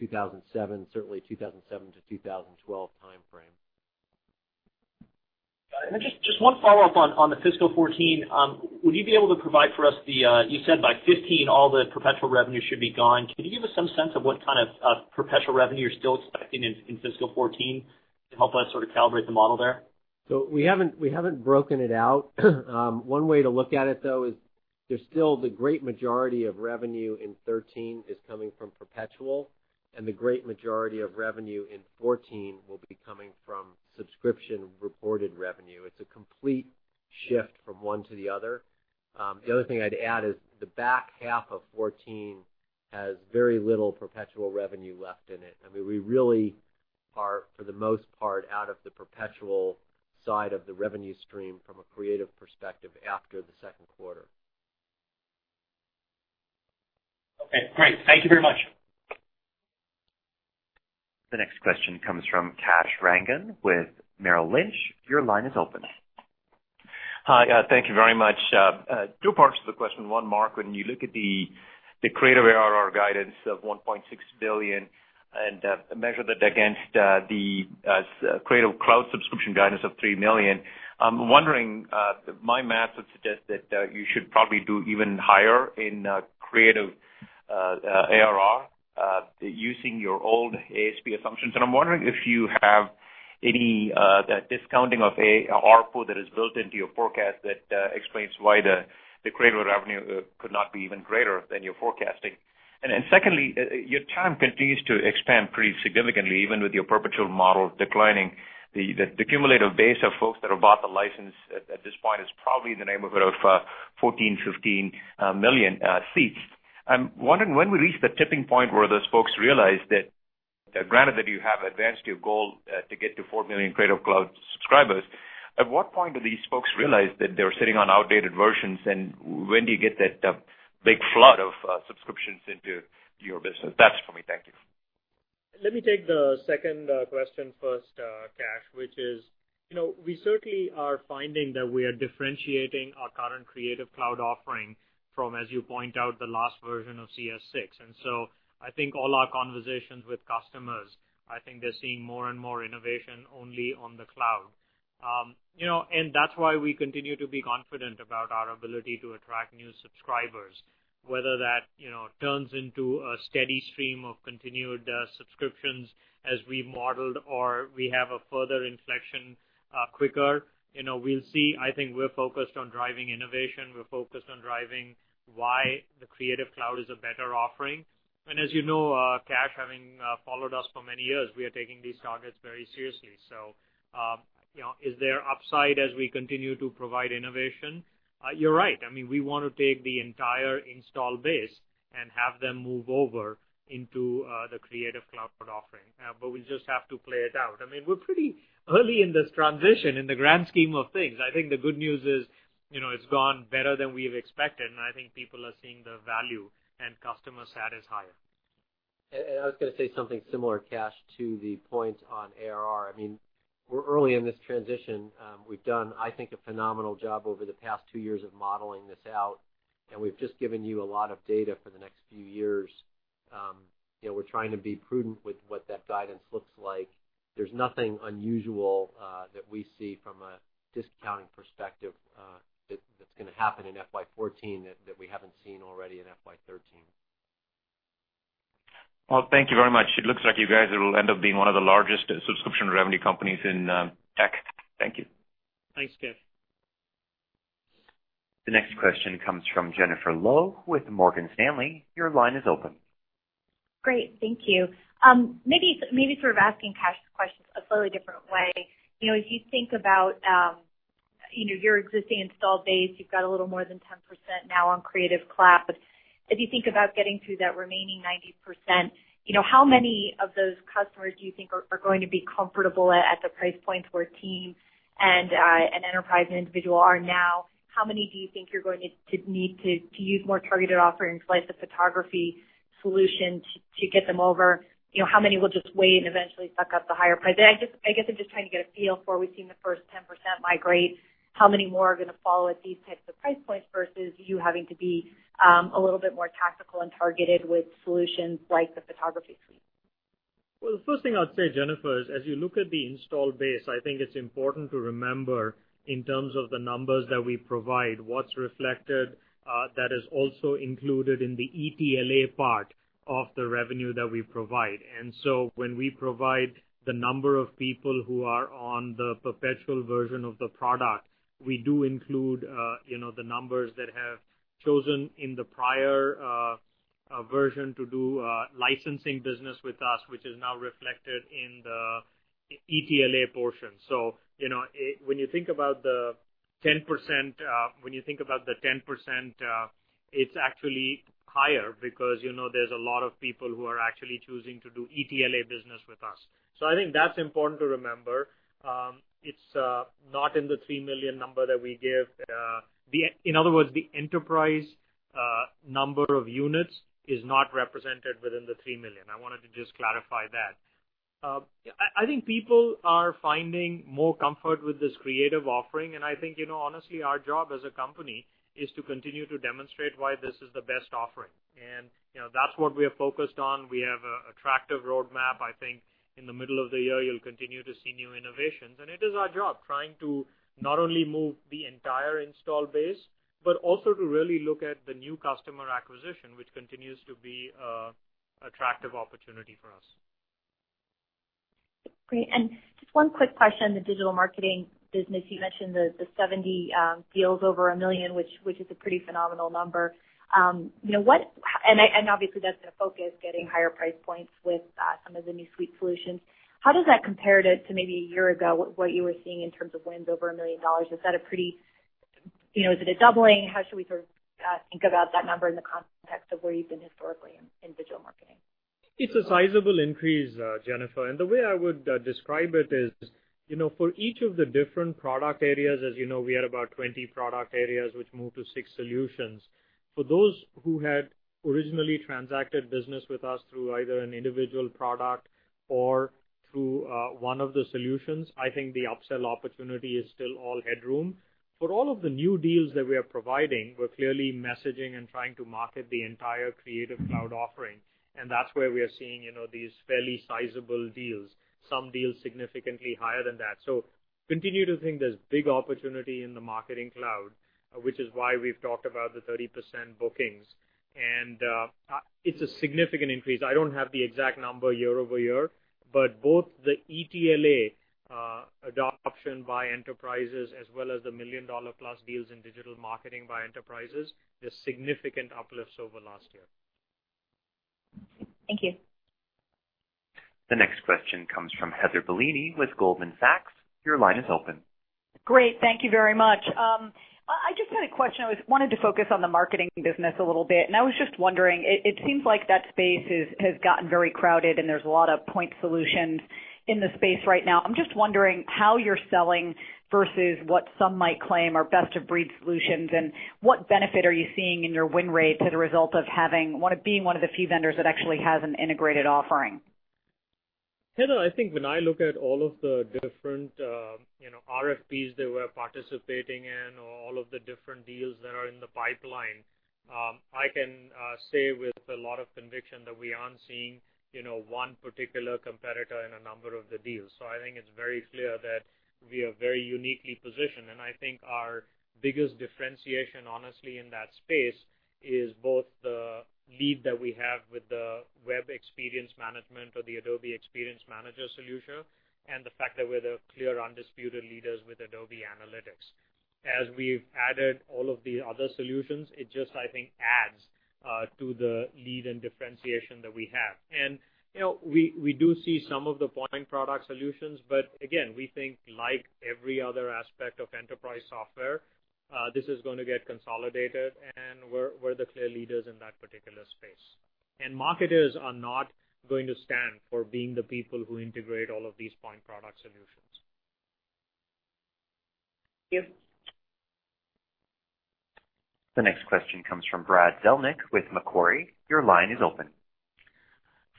certainly 2007 to 2012 timeframe. Just one follow-up on the fiscal 2014. Would you be able to provide for us the, you said by 2015, all the perpetual revenue should be gone. Can you give us some sense of what kind of perpetual revenue you're still expecting in fiscal 2014 to help us sort of calibrate the model there? We haven't broken it out. One way to look at it, though, is there's still the great majority of revenue in 2013 is coming from perpetual, and the great majority of revenue in 2014 will be coming from subscription-reported revenue. It's a complete shift from one to the other. The other thing I'd add is the back half of 2014 has very little perpetual revenue left in it. I mean, we really are, for the most part, out of the perpetual side of the revenue stream from a Creative perspective after the second quarter. Okay, great. Thank you very much. The next question comes from Kash Rangan with Merrill Lynch. Your line is open. Hi. Thank you very much. Two parts to the question. One, Mark, when you look at the Creative ARR guidance of $1.6 billion and measure that against the Creative Cloud subscription guidance of $3 million, I'm wondering, my math would suggest that you should probably do even higher in Creative ARR using your old ASP assumptions. I'm wondering if you have any discounting of ARPU that is built into your forecast that explains why the Creative revenue could not be even greater than you're forecasting. Secondly, your TAM continues to expand pretty significantly, even with your perpetual model declining. The cumulative base of folks that have bought the license at this point is probably in the neighborhood of 14 million-15 million seats. I'm wondering when we reach the tipping point where those folks realize that, granted that you have advanced your goal to get to 4 million Creative Cloud subscribers, at what point do these folks realize that they're sitting on outdated versions, and when do you get that big flood of subscriptions into your business? That's for me. Thank you. Let me take the second question first, Kash, which is, we certainly are finding that we are differentiating our current Creative Cloud offering from, as you point out, the last version of CS6. I think all our conversations with customers, I think they're seeing more and more innovation only on the cloud. That's why we continue to be confident about our ability to attract new subscribers, whether that turns into a steady stream of continued subscriptions as we modeled, or we have a further inflection quicker. We'll see. I think we're focused on driving innovation. We're focused on driving why the Creative Cloud is a better offering. As you know, Kash, having followed us for many years, we are taking these targets very seriously. Is there upside as we continue to provide innovation? You're right. I mean, we want to take the entire install base and have them move over into the Creative Cloud offering. We'll just have to play it out. I mean, we're pretty early in this transition in the grand scheme of things. I think the good news is, it's gone better than we've expected, and I think people are seeing the value and customer sat is higher. I was going to say something similar, Kash, to the point on ARR. I mean, we're early in this transition. We've done, I think, a phenomenal job over the past 2 years of modeling this out, and we've just given you a lot of data for the next few years. We're trying to be prudent with what that guidance looks like. There's nothing unusual that we see from a discounting perspective that's going to happen in FY 2014 that we haven't seen already in FY 2013. Well, thank you very much. It looks like you guys will end up being one of the largest subscription revenue companies in tech. Thank you. Thanks, Kash. The next question comes from Jennifer Lowe with Morgan Stanley. Your line is open. Great. Thank you. Maybe sort of asking Kash's question a slightly different way. As you think about your existing installed base, you've got a little more than 10% now on Creative Cloud. As you think about getting to that remaining 90%, how many of those customers do you think are going to be comfortable at the price points where Team and an Enterprise and Individual are now? How many do you think you're going to need to use more targeted offerings like the photography solution to get them over? How many will just wait and eventually suck up the higher price? I guess I'm just trying to get a feel for, we've seen the first 10% migrate, how many more are going to follow at these types of price points versus you having to be a little bit more tactical and targeted with solutions like the photography suite? The first thing I'd say, Jennifer, is as you look at the installed base, I think it's important to remember, in terms of the numbers that we provide, what's reflected, that is also included in the ETLA part of the revenue that we provide. When we provide the number of people who are on the perpetual version of the product, we do include the numbers that have chosen in the prior version to do licensing business with us, which is now reflected in the ETLA portion. When you think about the 10%, it's actually higher because there's a lot of people who are actually choosing to do ETLA business with us. I think that's important to remember. It's not in the 3 million number that we give. In other words, the Enterprise number of units is not represented within the 3 million. I wanted to just clarify that. I think people are finding more comfort with this Creative offering, and I think, honestly, our job as a company is to continue to demonstrate why this is the best offering. That's what we are focused on. We have an attractive roadmap. I think in the middle of the year, you'll continue to see new innovations. It is our job trying to not only move the entire install base, but also to really look at the new customer acquisition, which continues to be an attractive opportunity for us. Great. Just one quick question on the digital marketing business. You mentioned the 70 deals over $1 million, which is a pretty phenomenal number. Obviously, that's the focus, getting higher price points with some of the new suite solutions. How does that compare to maybe a year ago, what you were seeing in terms of wins over $1 million? Is it a doubling? How should we sort of think about that number in the context of where you've been historically in digital marketing? It's a sizable increase, Jennifer. The way I would describe it is, for each of the different product areas, as you know, we had about 20 product areas, which moved to six solutions. For those who had originally transacted business with us through either an individual product or through one of the solutions, I think the upsell opportunity is still all headroom. For all of the new deals that we are providing, we're clearly messaging and trying to market the entire Creative Cloud offering, and that's where we are seeing these fairly sizable deals, some deals significantly higher than that. Continue to think there's big opportunity in the Marketing Cloud, which is why we've talked about the 30% bookings. It's a significant increase. I don't have the exact number year-over-year, but both the ETLA adoption by enterprises as well as the $1 million-plus deals in digital marketing by enterprises, there's significant uplifts over last year. Thank you. The next question comes from Heather Bellini with Goldman Sachs. Your line is open. Great. Thank you very much. I just had a question. I wanted to focus on the marketing business a little bit, and I was just wondering, it seems like that space has gotten very crowded, and there's a lot of point solutions in the space right now. I'm just wondering how you're selling versus what some might claim are best-of-breed solutions, and what benefit are you seeing in your win rate as a result of being one of the few vendors that actually has an integrated offering? Heather, I think when I look at all of the different RFPs that we're participating in or all of the different deals that are in the pipeline, I can say with a lot of conviction that we aren't seeing one particular competitor in a number of the deals. I think it's very clear that we are very uniquely positioned, and I think our biggest differentiation, honestly, in that space is both the lead that we have with the web experience management or the Adobe Experience Manager solution, and the fact that we're the clear, undisputed leaders with Adobe Analytics. As we've added all of the other solutions, it just, I think, adds to the lead and differentiation that we have. We do see some of the point product solutions, but again, we think like every other aspect of enterprise software, this is going to get consolidated, we're the clear leaders in that particular space. Marketers are not going to stand for being the people who integrate all of these point product solutions. Thank you. The next question comes from Brad Zelnick with Macquarie. Your line is open.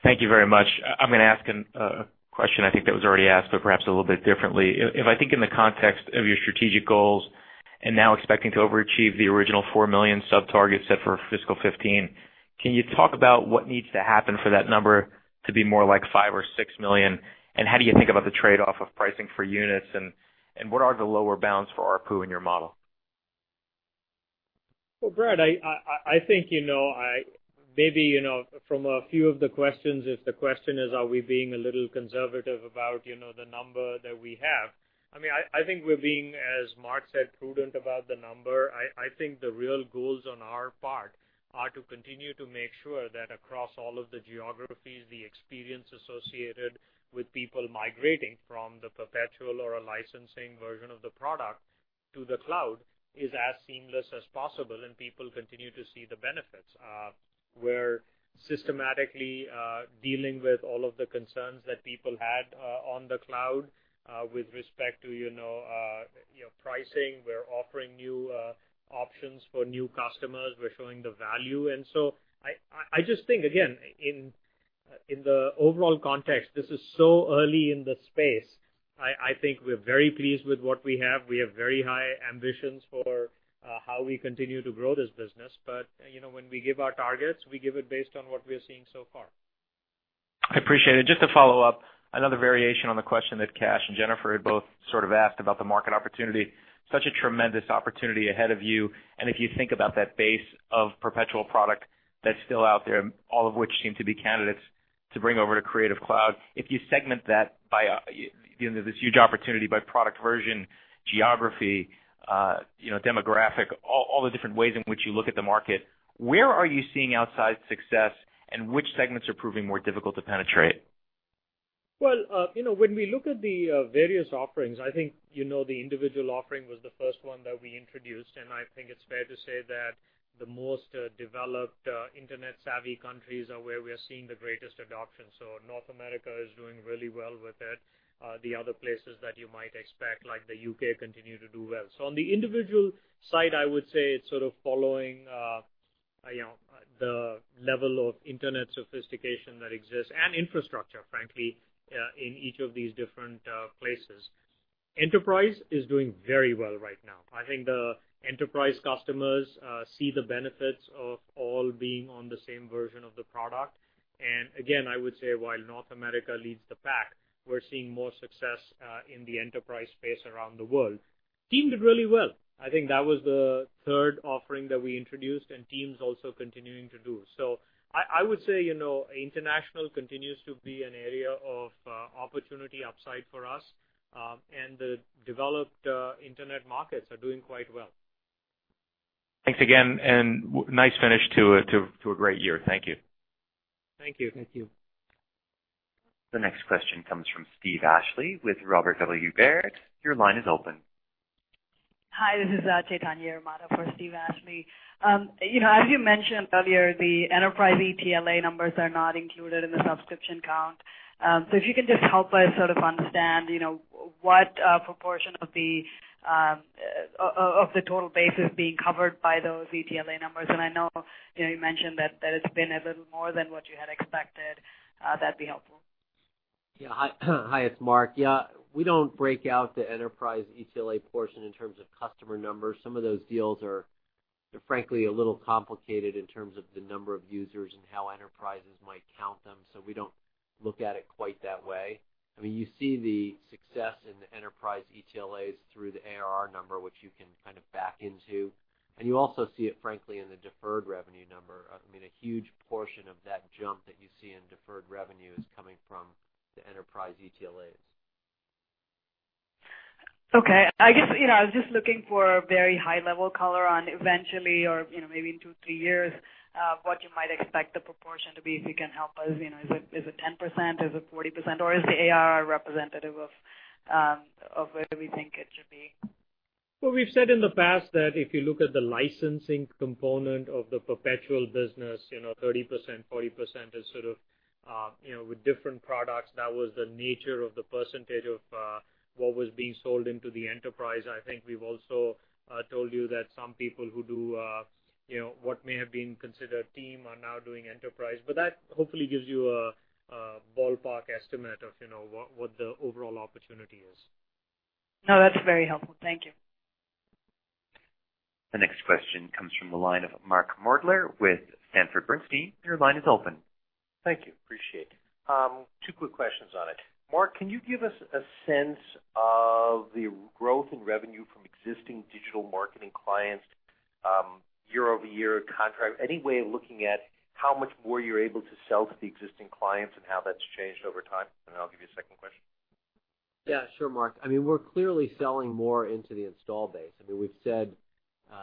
Thank you very much. I'm going to ask a question I think that was already asked, but perhaps a little bit differently. If I think in the context of your strategic goals and now expecting to overachieve the original 4 million sub targets set for fiscal 2015, can you talk about what needs to happen for that number to be more like 5 or 6 million, and how do you think about the trade-off of pricing for units, and what are the lower bounds for ARPU in your model? Well, Brad, I think maybe from a few of the questions, if the question is, are we being a little conservative about the number that we have, I think we're being, as Mark said, prudent about the number. I think the real goals on our part are to continue to make sure that across all of the geographies, the experience associated with people migrating from the perpetual or a licensing version of the product to the cloud is as seamless as possible, and people continue to see the benefits. We're systematically dealing with all of the concerns that people had on the cloud with respect to pricing. We're offering new options for new customers. We're showing the value. I just think, again, in the overall context, this is so early in the space. I think we're very pleased with what we have. We have very high ambitions for how we continue to grow this business. When we give our targets, we give it based on what we are seeing so far. I appreciate it. Just to follow up, another variation on the question that Kash and Jennifer had both sort of asked about the market opportunity, such a tremendous opportunity ahead of you. If you think about that base of perpetual product that's still out there, all of which seem to be candidates to bring over to Creative Cloud. If you segment that by this huge opportunity by product version, geography, demographic, all the different ways in which you look at the market, where are you seeing outside success and which segments are proving more difficult to penetrate? When we look at the various offerings, I think the individual offering was the first one that we introduced. I think it's fair to say that the most developed Internet-savvy countries are where we are seeing the greatest adoption. North America is doing really well with it. The other places that you might expect, like the U.K., continue to do well. On the individual side, I would say it's sort of following the level of Internet sophistication that exists and infrastructure, frankly, in each of these different places. Enterprise is doing very well right now. I think the enterprise customers see the benefits of all being on the same version of the product. Again, I would say while North America leads the pack, we're seeing more success in the enterprise space around the world. Team did really well. I think that was the third offering that we introduced. Team's also continuing to do. I would say, international continues to be an area of opportunity upside for us. The developed Internet markets are doing quite well. Thanks again, nice finish to a great year. Thank you. Thank you. Thank you. The next question comes from Steve Ashley with Robert W. Baird. Your line is open. Hi, this is Chaitanya Yaramada for Steve Ashley. As you mentioned earlier, the enterprise ETLA numbers are not included in the subscription count. If you can just help us sort of understand what proportion of the total base is being covered by those ETLA numbers, and I know you mentioned that it's been a little more than what you had expected. That'd be helpful. Hi, it's Mark. We don't break out the enterprise ETLA portion in terms of customer numbers. Some of those deals are, frankly, a little complicated in terms of the number of users and how enterprises might count them. We don't look at it quite that way. You see the success in the enterprise ETLAs through the ARR number, which you can kind of back into. You also see it, frankly, in the deferred revenue number. A huge portion of that jump that you see in deferred revenue is coming from the enterprise ETLAs. Okay. I guess, I was just looking for a very high-level color on eventually, or maybe in two, three years, what you might expect the proportion to be, if you can help us. Is it 10%? Is it 40%? Or is the ARR representative of where we think it should be? Well, we've said in the past that if you look at the licensing component of the perpetual business, 30%, 40% is sort of with different products, that was the nature of the percentage of what was being sold into the enterprise. I think we've also told you that some people who do what may have been considered Team are now doing Enterprise. That hopefully gives you a ballpark estimate of what the overall opportunity is. No, that's very helpful. Thank you. The next question comes from the line of Mark Moerdler with Sanford C. Bernstein. Your line is open. Thank you. Appreciate it. Two quick questions on it. Mark, can you give us a sense of the growth in revenue from existing digital marketing clients year-over-year contract? Any way of looking at how much more you're able to sell to the existing clients and how that's changed over time, and I'll give you a second question. Yeah, sure, Mark. We're clearly selling more into the install base. We've said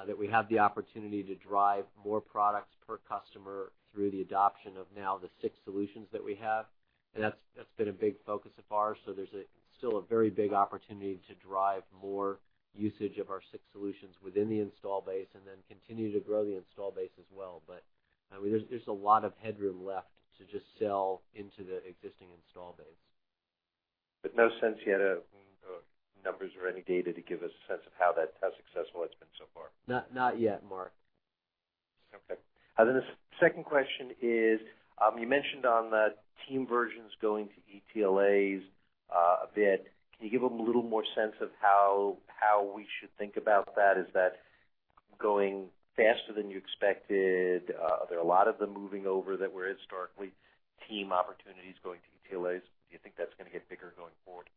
that we have the opportunity to drive more products per customer through the adoption of now the six solutions that we have. That's been a big focus of ours. There's still a very big opportunity to drive more usage of our six solutions within the install base and then continue to grow the install base as well. There's a lot of headroom left to just sell into the existing install base. No sense yet of numbers or any data to give us a sense of how successful that's been so far? Not yet, Mark. Okay. The second question is, you mentioned on the Team versions going to ETLAs a bit. Can you give a little more sense of how we should think about that? Is that going faster than you expected? Are there a lot of them moving over that were historically Team opportunities going to ETLAs? Do you think that's going to get bigger going forward?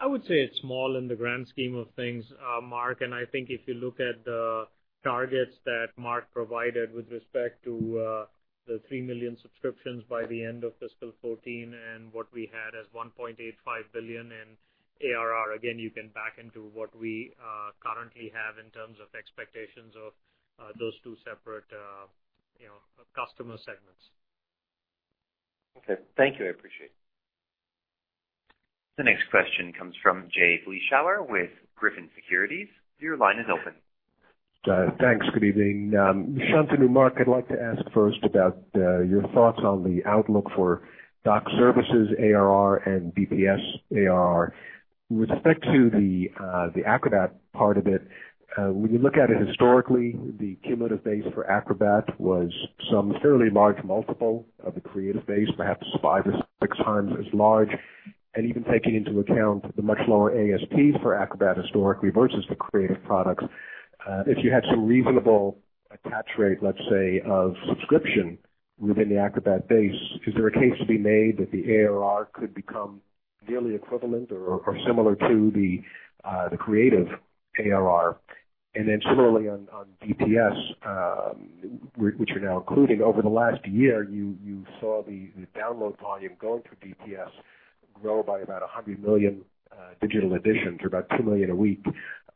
I would say it's small in the grand scheme of things, Mark, and I think if you look at the targets that Mark provided with respect to the 3 million subscriptions by the end of fiscal 2014 and what we had as $1.85 billion in ARR, again, you can back into what we currently have in terms of expectations of those two separate customer segments. Okay. Thank you. I appreciate it. The next question comes from Jay Vleeschhouwer with Griffin Securities. Your line is open. Thanks. Good evening. Shantanu, Mark, I'd like to ask first about your thoughts on the outlook for doc services ARR and DPS ARR. With respect to the Acrobat part of it, when you look at it historically, the cumulative base for Acrobat was some fairly large multiple of the creative base, perhaps five or six times as large, and even taking into account the much lower ASP for Acrobat historically versus the creative products. If you had some reasonable attach rate, let's say, of subscription within the Acrobat base, is there a case to be made that the ARR could become nearly equivalent or similar to the creative ARR? Similarly on DPS, which you're now including, over the last year, you saw the download volume going through DPS grow by about 100 million digital editions, or about 2 million a week.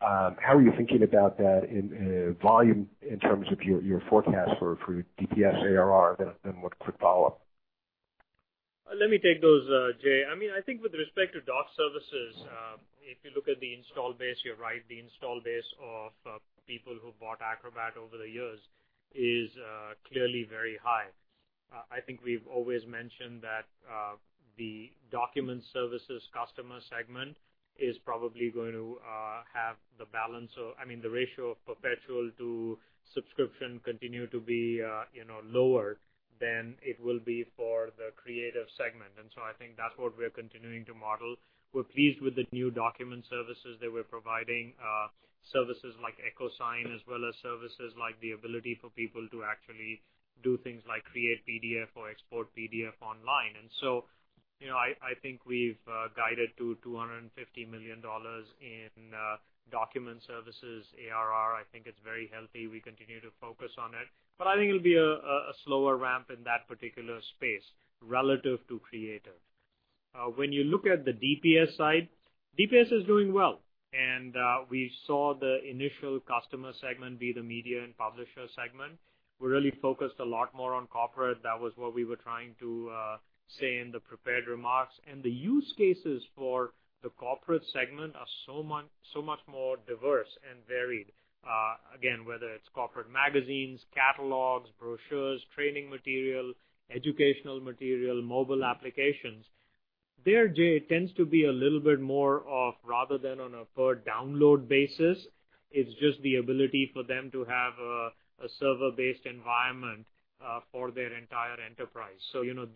How are you thinking about that in volume in terms of your forecast for DPS ARR? One quick follow-up. Let me take those, Jay. I think with respect to doc services, if you look at the install base, you're right, the install base of people who bought Acrobat over the years is clearly very high. I think we've always mentioned that the document services customer segment is probably going to have the balance of, I mean, the ratio of perpetual to subscription continue to be lower than it will be for the creative segment. I think that's what we're continuing to model. We're pleased with the new document services that we're providing, services like EchoSign, as well as services like the ability for people to actually do things like create PDF or export PDF online. I think we've guided to $250 million in document services ARR. I think it's very healthy. We continue to focus on it, I think it'll be a slower ramp in that particular space relative to creative. When you look at the DPS side, DPS is doing well, we saw the initial customer segment be the media and publisher segment. We're really focused a lot more on corporate. That was what we were trying to say in the prepared remarks. The use cases for the corporate segment are so much more diverse and varied, again, whether it's corporate magazines, catalogs, brochures, training material, educational material, mobile applications. There, Jay, it tends to be a little bit more of, rather than on a per download basis, it's just the ability for them to have a server-based environment for their entire enterprise.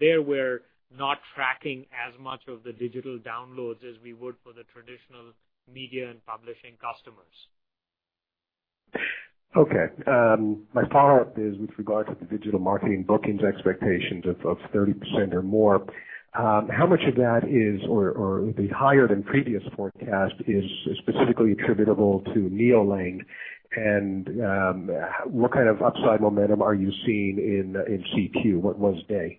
There, we're not tracking as much of the digital downloads as we would for the traditional media and publishing customers. Okay. My follow-up is with regard to the digital marketing bookings expectations of 30% or more. How much of that is, or the higher than previous forecast, is specifically attributable to Neolane, and what kind of upside momentum are you seeing in Adobe CQ?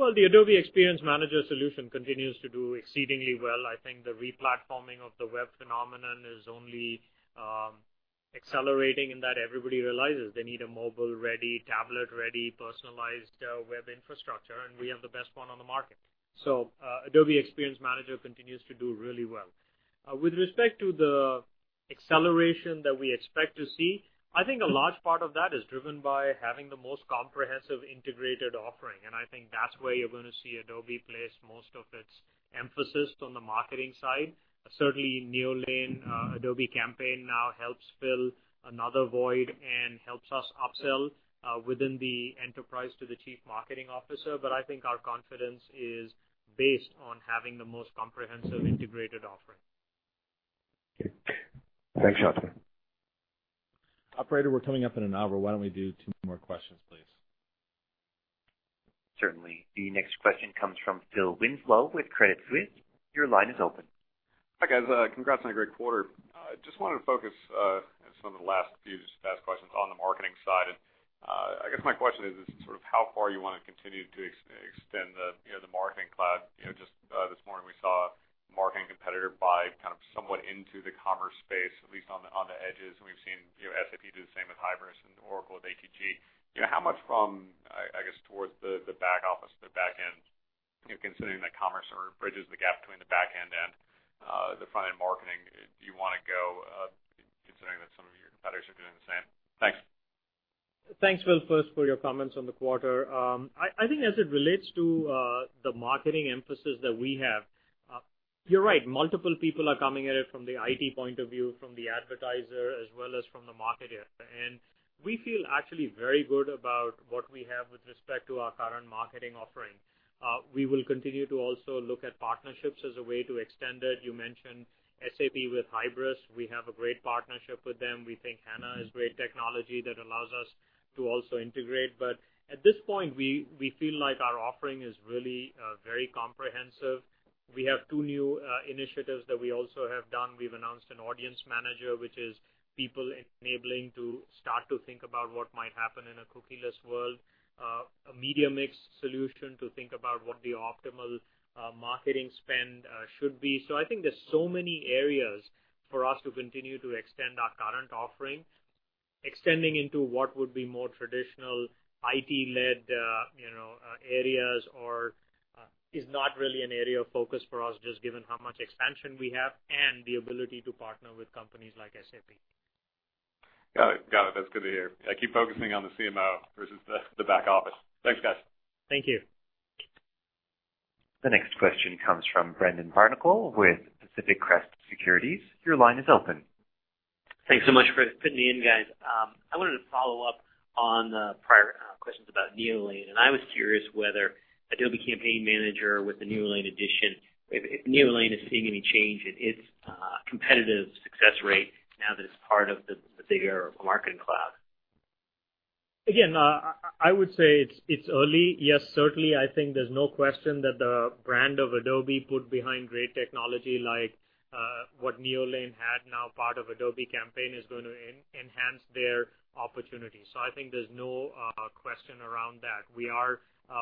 Well, the Adobe Experience Manager solution continues to do exceedingly well. I think the re-platforming of the web phenomenon is only accelerating, everybody realizes they need a mobile-ready, tablet-ready, personalized web infrastructure, and we have the best one on the market. Adobe Experience Manager continues to do really well. With respect to the acceleration that we expect to see, I think a large part of that is driven by having the most comprehensive integrated offering, I think that's where you're going to see Adobe place most of its emphasis on the marketing side. Certainly, Neolane, Adobe Campaign now helps fill another void and helps us upsell within the enterprise to the chief marketing officer. I think our confidence is based on having the most comprehensive integrated offering. Okay. Thanks, Shantanu. Operator, we're coming up in an hour. Why don't we do two more questions, please? Certainly. The next question comes from Phil Winslow with Credit Suisse. Your line is open. Hi, guys. Congrats on a great quarter. I just wanted to focus, as some of the last few asked questions, on the marketing side. I guess my question is sort of how far you want to continue to extend the Adobe Marketing Cloud. Just this morning, we saw a marketing competitor buy kind of somewhat into the commerce space, at least on the edges. We've seen SAP do the same with Hybris and Oracle with ATG. How much from, I guess, towards the back office, the back end, considering that commerce sort of bridges the gap between the back end and the front-end marketing, do you want to go, considering that some of your competitors are doing the same? Thanks. Thanks, Phil, first for your comments on the quarter. I think as it relates to the marketing emphasis that we have, you're right, multiple people are coming at it from the IT point of view, from the advertiser, as well as from the marketer. We feel actually very good about what we have with respect to our current marketing offering. We will continue to also look at partnerships as a way to extend it. You mentioned SAP with Hybris. We have a great partnership with them. We think HANA is great technology that allows us to also integrate. At this point, we feel like our offering is really very comprehensive. We have two new initiatives that we also have done. We've announced an audience manager, which is people enabling to start to think about what might happen in a cookie-less world, a media mix solution to think about what the optimal marketing spend should be. I think there's so many areas for us to continue to extend our current offering, extending into what would be more traditional IT-led areas or is not really an area of focus for us, just given how much expansion we have and the ability to partner with companies like SAP. Got it. That's good to hear. I keep focusing on the CMO versus the back office. Thanks, guys. Thank you. The next question comes from Brendan Barnicle with Pacific Crest Securities. Your line is open. Thanks so much for fitting me in, guys. I wanted to follow up on the prior questions about Neolane, and I was curious whether Adobe Campaign manager with the Neolane addition, if Neolane is seeing any change in its competitive success rate now that it's part of the bigger Marketing Cloud. Again, I would say it's early. Yes, certainly, I think there's no question that the brand of Adobe put behind great technology like what Neolane had, now part of Adobe Campaign, is going to enhance their opportunities. I think there's no question around that. We are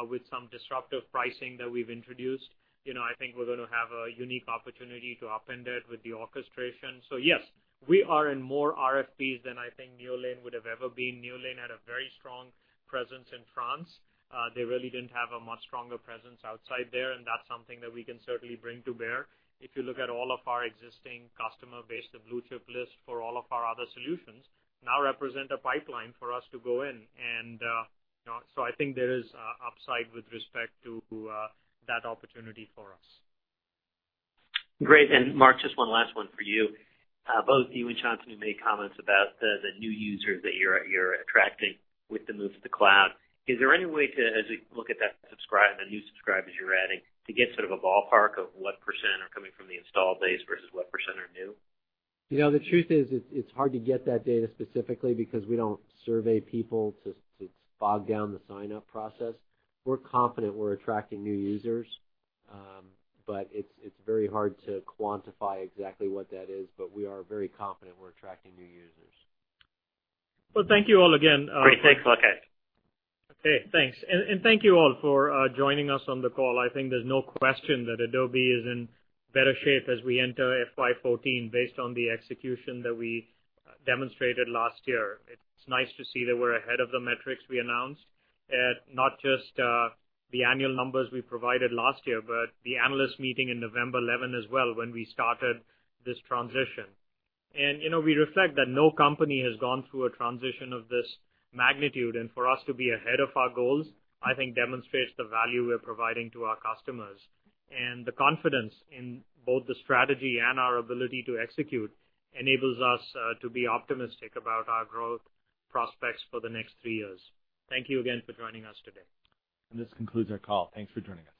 with some disruptive pricing that we've introduced. I think we're going to have a unique opportunity to upend it with the orchestration. Yes, we are in more RFPs than I think Neolane would have ever been. Neolane had a very strong presence in France. They really didn't have a much stronger presence outside there, and that's something that we can certainly bring to bear. If you look at all of our existing customer base, the blue-chip list for all of our other solutions now represent a pipeline for us to go in. I think there is upside with respect to that opportunity for us. Great. Mark, just 1 last one for you. Both you and Shantanu made comments about the new users that you're attracting with the move to the cloud. Is there any way to, as you look at new subscribers you're adding, to get sort of a ballpark of what % are coming from the install base versus what % are new? The truth is, it's hard to get that data specifically because we don't survey people to bog down the sign-up process. We're confident we're attracting new users, but it's very hard to quantify exactly what that is. We are very confident we're attracting new users. Well, thank you all again. Great. Thanks, Mark. Okay, thanks. Thank you all for joining us on the call. I think there's no question that Adobe is in better shape as we enter FY 2014 based on the execution that we demonstrated last year. It's nice to see that we're ahead of the metrics we announced, at not just the annual numbers we provided last year, but the analyst meeting in November 11 as well, when we started this transition. We reflect that no company has gone through a transition of this magnitude, and for us to be ahead of our goals, I think demonstrates the value we're providing to our customers. The confidence in both the strategy and our ability to execute enables us to be optimistic about our growth prospects for the next three years. Thank you again for joining us today. This concludes our call. Thanks for joining us.